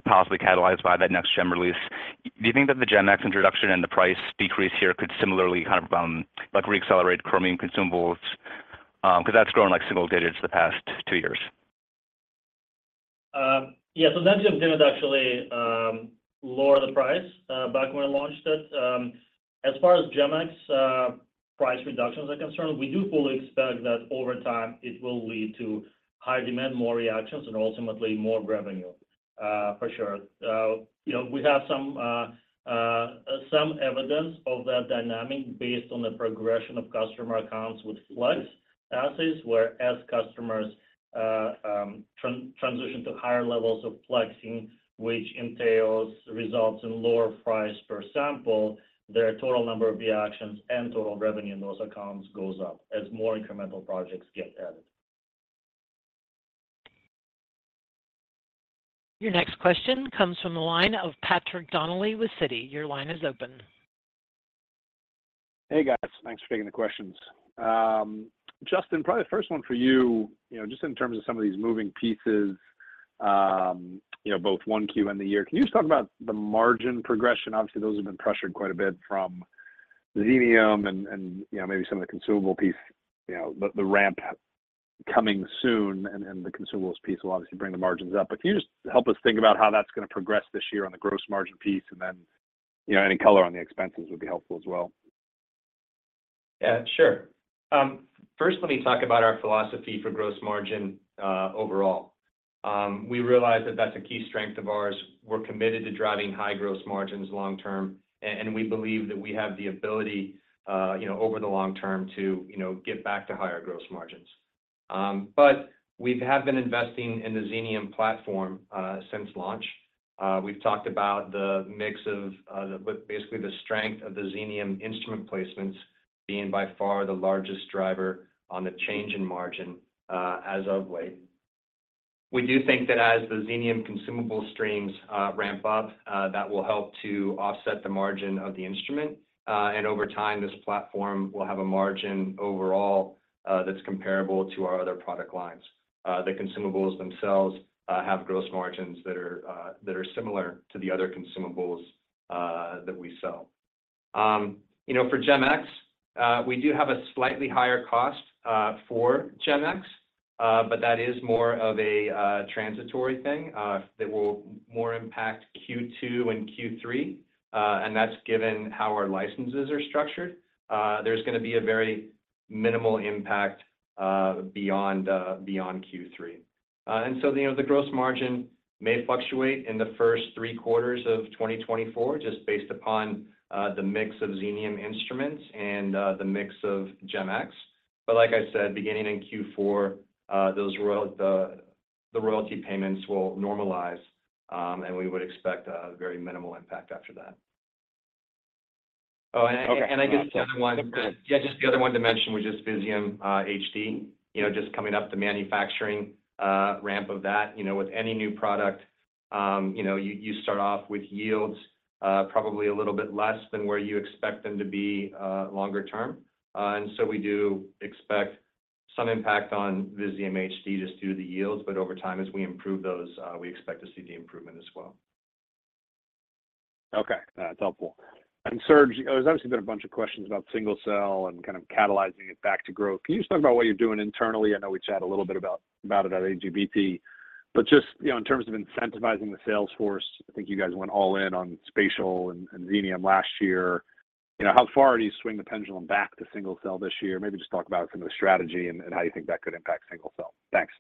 possibly catalyzed by that NextGen release. Do you think that the GEM-X introduction and the price decrease here could similarly kind of reaccelerate Chromium consumables? Because that's grown single digits the past two years. Yeah. So NextGen didn't actually lower the price back when it launched it. As far as GEM-X price reductions are concerned, we do fully expect that over time, it will lead to higher demand, more reactions, and ultimately, more revenue, for sure. We have some evidence of that dynamic based on the progression of customer accounts with Flex assays, whereas customers transition to higher levels of flexing, which results in lower price per sample, their total number of reactions and total revenue in those accounts goes up as more incremental projects get added. Your next question comes from the line of Patrick Donnelly with Citi. Your line is open. Hey, guys. Thanks for taking the questions. Justin, probably the first one for you, just in terms of some of these moving pieces, both 1Q and the year, can you just talk about the margin progression? Obviously, those have been pressured quite a bit from Xenium and maybe some of the consumable piece, the ramp coming soon. And the consumables piece will obviously bring the margins up. But can you just help us think about how that's going to progress this year on the gross margin piece? And then any color on the expenses would be helpful as well. Yeah. Sure. First, let me talk about our philosophy for gross margin overall. We realize that that's a key strength of ours. We're committed to driving high gross margins long term. We believe that we have the ability over the long term to get back to higher gross margins. But we have been investing in the Xenium platform since launch. We've talked about the mix of basically the strength of the Xenium instrument placements being by far the largest driver on the change in margin as of late. We do think that as the Xenium consumable streams ramp up, that will help to offset the margin of the instrument. Over time, this platform will have a margin overall that's comparable to our other product lines. The consumables themselves have gross margins that are similar to the other consumables that we sell. For GEM-X, we do have a slightly higher cost for GEM-X. But that is more of a transitory thing that will more impact Q2 and Q3. And that's given how our licenses are structured. There's going to be a very minimal impact beyond Q3. And so the gross margin may fluctuate in the first three quarters of 2024 just based upon the mix of Xenium instruments and the mix of GEM-X. But like I said, beginning in Q4, the royalty payments will normalize. And we would expect a very minimal impact after that. Oh, and I guess the other one to mention was just Visium HD. Just coming up, the manufacturing ramp of that, with any new product, you start off with yields probably a little bit less than where you expect them to be longer term. We do expect some impact on Visium HD just due to the yields. But over time, as we improve those, we expect to see the improvement as well. Okay. That's helpful. And Serge, there's obviously been a bunch of questions about single-cell and kind of catalyzing it back to growth. Can you just talk about what you're doing internally? I know we chatted a little bit about it at AGBT. But just in terms of incentivizing the salesforce, I think you guys went all in on Spatial and Xenium last year. How far do you swing the pendulum back to single-cell this year? Maybe just talk about some of the strategy and how you think that could impact single-cell. Thanks.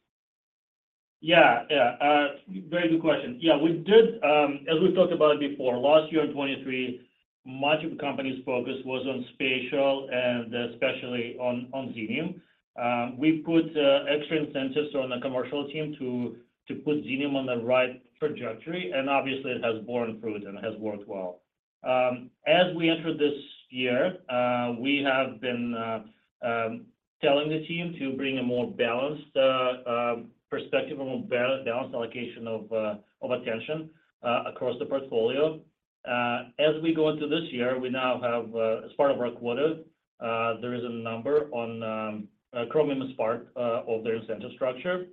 Yeah. Yeah. Very good question. Yeah. As we talked about before, last year in 2023, much of the company's focus was on Spatial and especially on Xenium. We put extra incentives on the commercial team to put Xenium on the right trajectory. And obviously, it has borne fruit and has worked well. As we entered this year, we have been telling the team to bring a more balanced perspective, a more balanced allocation of attention across the portfolio. As we go into this year, we now have as part of our quota, there is a number on Chromium as part of their incentive structure.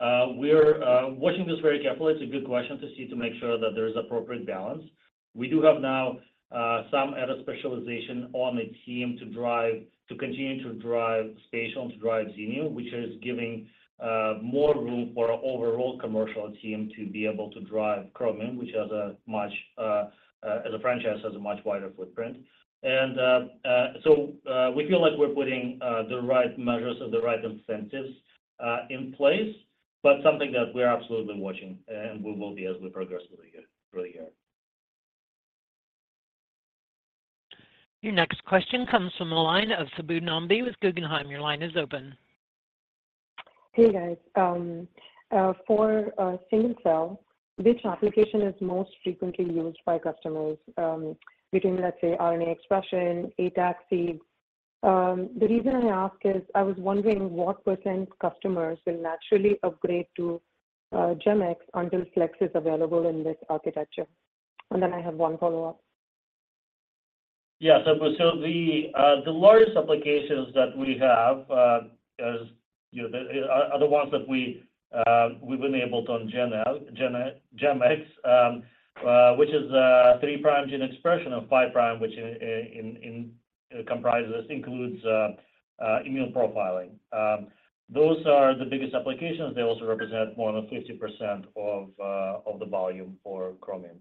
We're watching this very carefully. It's a good question to see to make sure that there is appropriate balance. We do have now some added specialization on the team to continue to drive Spatial and to drive Xenium, which is giving more room for our overall commercial team to be able to drive Chromium, which has a much as a franchise has a much wider footprint. And so we feel like we're putting the right measures and the right incentives in place. But something that we are absolutely watching. And we will be as we progress through the year. Your next question comes from the line of Subbu Nambi with Guggenheim. Your line is open. Hey, guys. For single-cell, which application is most frequently used by customers between, let's say, RNA expression, ATAC-Seq? The reason I ask is I was wondering what % customers will naturally upgrade to GEM-X until Flex is available in this architecture. And then I have one follow-up. Yeah. So the largest applications that we have are the ones that we've been able to on GEM-X, which is a three prime gene expression of five prime, which includes immune profiling. Those are the biggest applications. They also represent more than 50% of the volume for Chromium.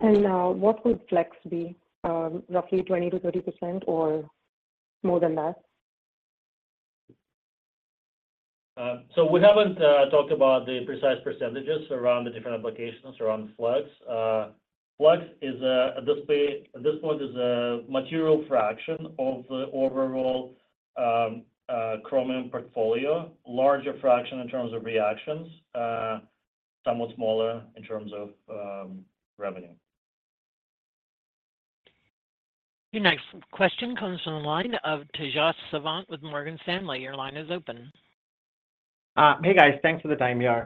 What would Flex be? Roughly 20%-30% or more than that? We haven't talked about the precise percentages around the different applications around Flex. Flex, at this point, is a material fraction of the overall Chromium portfolio, larger fraction in terms of reactions, somewhat smaller in terms of revenue. Your next question comes from the line of Tejas Savant with Morgan Stanley. Your line is open. Hey, guys. Thanks for the time, y'all.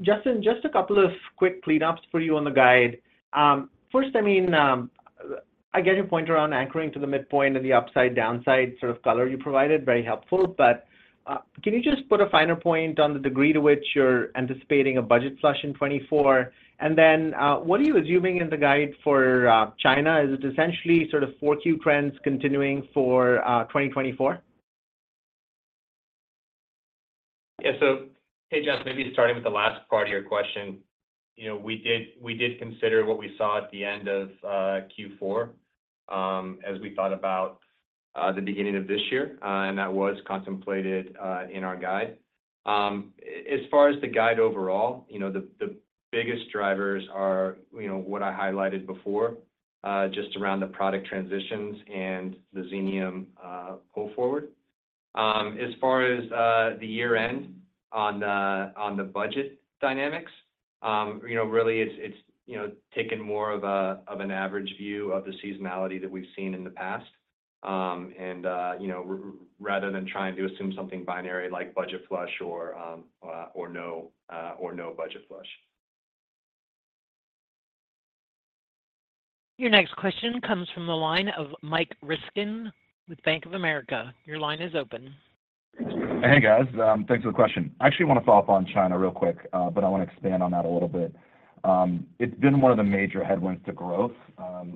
Justin, just a couple of quick cleanups for you on the guide. First, I mean, I get your point around anchoring to the midpoint and the upside-downside sort of color you provided. Very helpful. But can you just put a finer point on the degree to which you're anticipating a budget flush in 2024? And then what are you assuming in the guide for China? Is it essentially sort of 4Q trends continuing for 2024? Yeah. So hey, Jas, maybe starting with the last part of your question, we did consider what we saw at the end of Q4 as we thought about the beginning of this year. That was contemplated in our guide. As far as the guide overall, the biggest drivers are what I highlighted before just around the product transitions and the Xenium pull forward. As far as the year-end on the budget dynamics, really, it's taken more of an average view of the seasonality that we've seen in the past rather than trying to assume something binary like budget flush or no budget flush. Your next question comes from the line of Mike Ryskin with Bank of America. Your line is open. Hey, guys. Thanks for the question. I actually want to follow up on China real quick. But I want to expand on that a little bit. It's been one of the major headwinds to growth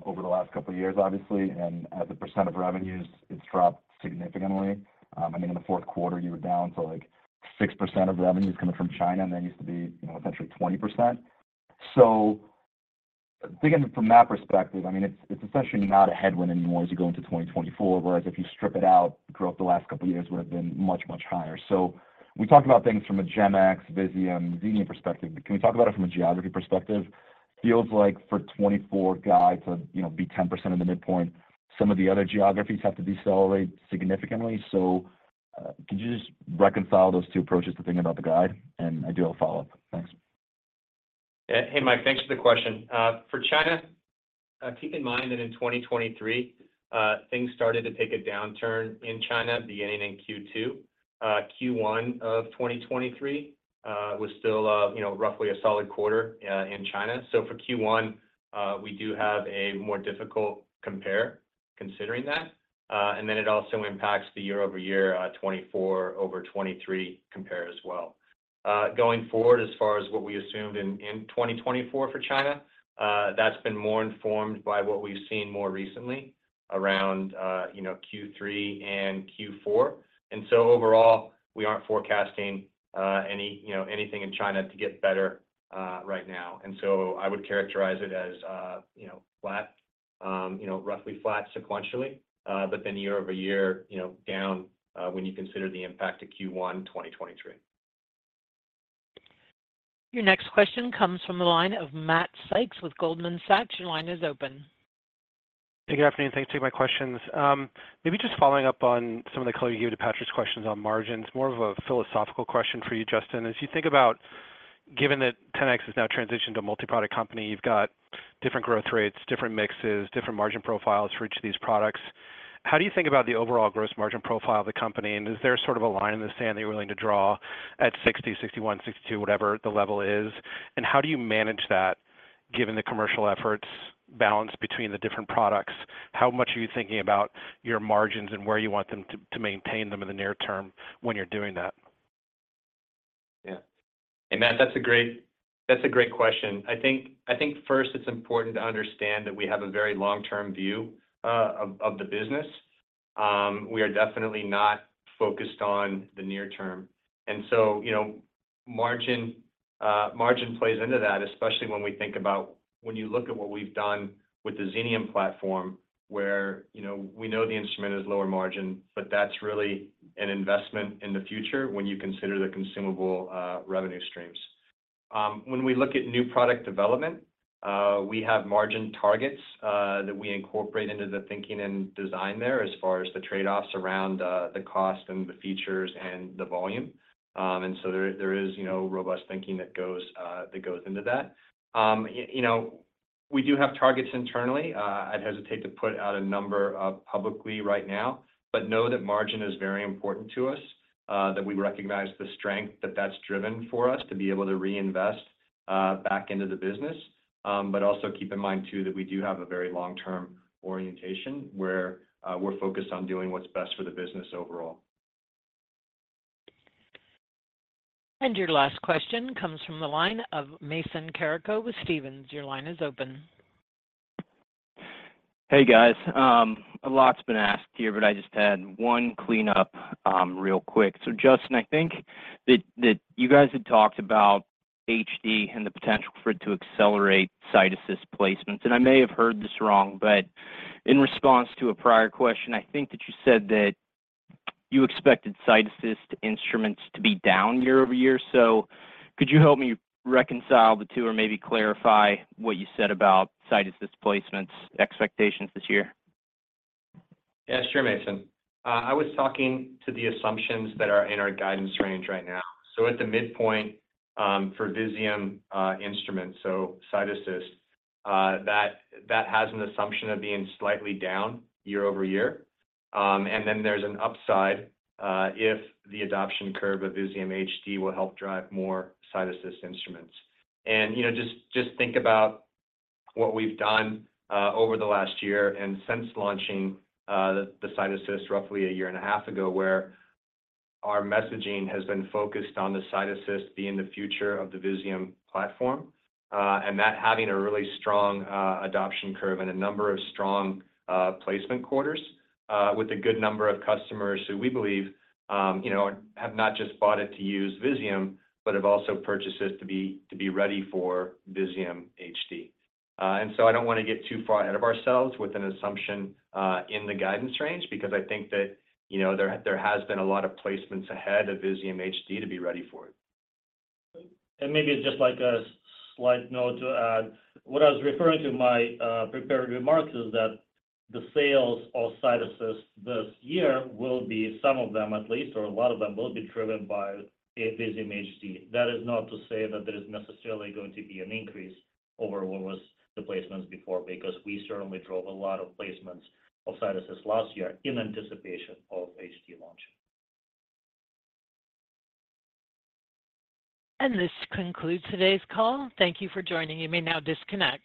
over the last couple of years, obviously. And as a percent of revenues, it's dropped significantly. I mean, in the fourth quarter, you were down to 6% of revenues coming from China. And that used to be essentially 20%. So thinking from that perspective, I mean, it's essentially not a headwind anymore as you go into 2024. Whereas if you strip it out, growth the last couple of years would have been much, much higher. So we talked about things from a GEM-X, Visium, Xenium perspective. But can we talk about it from a geography perspective? Feels like for 2024, the guide to be 10% in the midpoint, some of the other geographies have to decelerate significantly. So could you just reconcile those two approaches to thinking about the guide? And I do have a follow-up. Thanks. Hey, Mike. Thanks for the question. For China, keep in mind that in 2023, things started to take a downturn in China beginning in Q2. Q1 of 2023 was still roughly a solid quarter in China. So for Q1, we do have a more difficult compare considering that. And then it also impacts the year-over-year 2024 over 2023 compare as well. Going forward, as far as what we assumed in 2024 for China, that's been more informed by what we've seen more recently around Q3 and Q4. And so overall, we aren't forecasting anything in China to get better right now. And so I would characterize it as roughly flat sequentially. But then year-over-year down when you consider the impact to Q1 2023. Your next question comes from the line of Matt Sykes with Goldman Sachs. Your line is open. Hey, good afternoon. Thanks for taking my questions. Maybe just following up on some of the color you gave to Patrick's questions on margins, more of a philosophical question for you, Justin. As you think about given that 10x has now transitioned to a multi-product company, you've got different growth rates, different mixes, different margin profiles for each of these products. How do you think about the overall gross margin profile of the company? And is there sort of a line in the sand that you're willing to draw at 60, 61, 62, whatever the level is? And how do you manage that given the commercial efforts balanced between the different products? How much are you thinking about your margins and where you want them to maintain them in the near term when you're doing that? Yeah. And Matt, that's a great question. I think first, it's important to understand that we have a very long-term view of the business. We are definitely not focused on the near term. And so margin plays into that, especially when we think about when you look at what we've done with the Xenium platform, where we know the instrument is lower margin. But that's really an investment in the future when you consider the consumable revenue streams. When we look at new product development, we have margin targets that we incorporate into the thinking and design there as far as the trade-offs around the cost and the features and the volume. And so there is robust thinking that goes into that. We do have targets internally. I'd hesitate to put out a number publicly right now. But know that margin is very important to us, that we recognize the strength that that's driven for us to be able to reinvest back into the business. But also keep in mind, too, that we do have a very long-term orientation where we're focused on doing what's best for the business overall. Your last question comes from the line of Mason Carrico with Stephens. Your line is open. Hey, guys. A lot's been asked here. But I just had one cleanup real quick. So Justin, I think that you guys had talked about HD and the potential for it to accelerate CytAssist placements. And I may have heard this wrong. But in response to a prior question, I think that you said that you expected CytAssist instruments to be down year-over-year. So could you help me reconcile the two or maybe clarify what you said about CytAssist placements expectations this year? Yeah, sure, Mason. I was talking to the assumptions that are in our guidance range right now. So at the midpoint for Visium instruments, so CytAssist, that has an assumption of being slightly down year-over-year. And then there's an upside if the adoption curve of Visium HD will help drive more CytAssist instruments. And just think about what we've done over the last year and since launching the CytAssist roughly a year and a half ago, where our messaging has been focused on the CytAssist being the future of the Visium platform and that having a really strong adoption curve and a number of strong placement quarters with a good number of customers who we believe have not just bought it to use Visium but have also purchased it to be ready for Visium HD. And so I don't want to get too far ahead of ourselves with an assumption in the guidance range because I think that there has been a lot of placements ahead of Visium HD to be ready for it. Maybe just a slight note to add. What I was referring to in my prepared remarks is that the sales of CytAssist this year will be some of them at least or a lot of them will be driven by Visium HD. That is not to say that there is necessarily going to be an increase over what was the placements before because we certainly drove a lot of placements of CytAssist last year in anticipation of HD launch. This concludes today's call. Thank you for joining. You may now disconnect.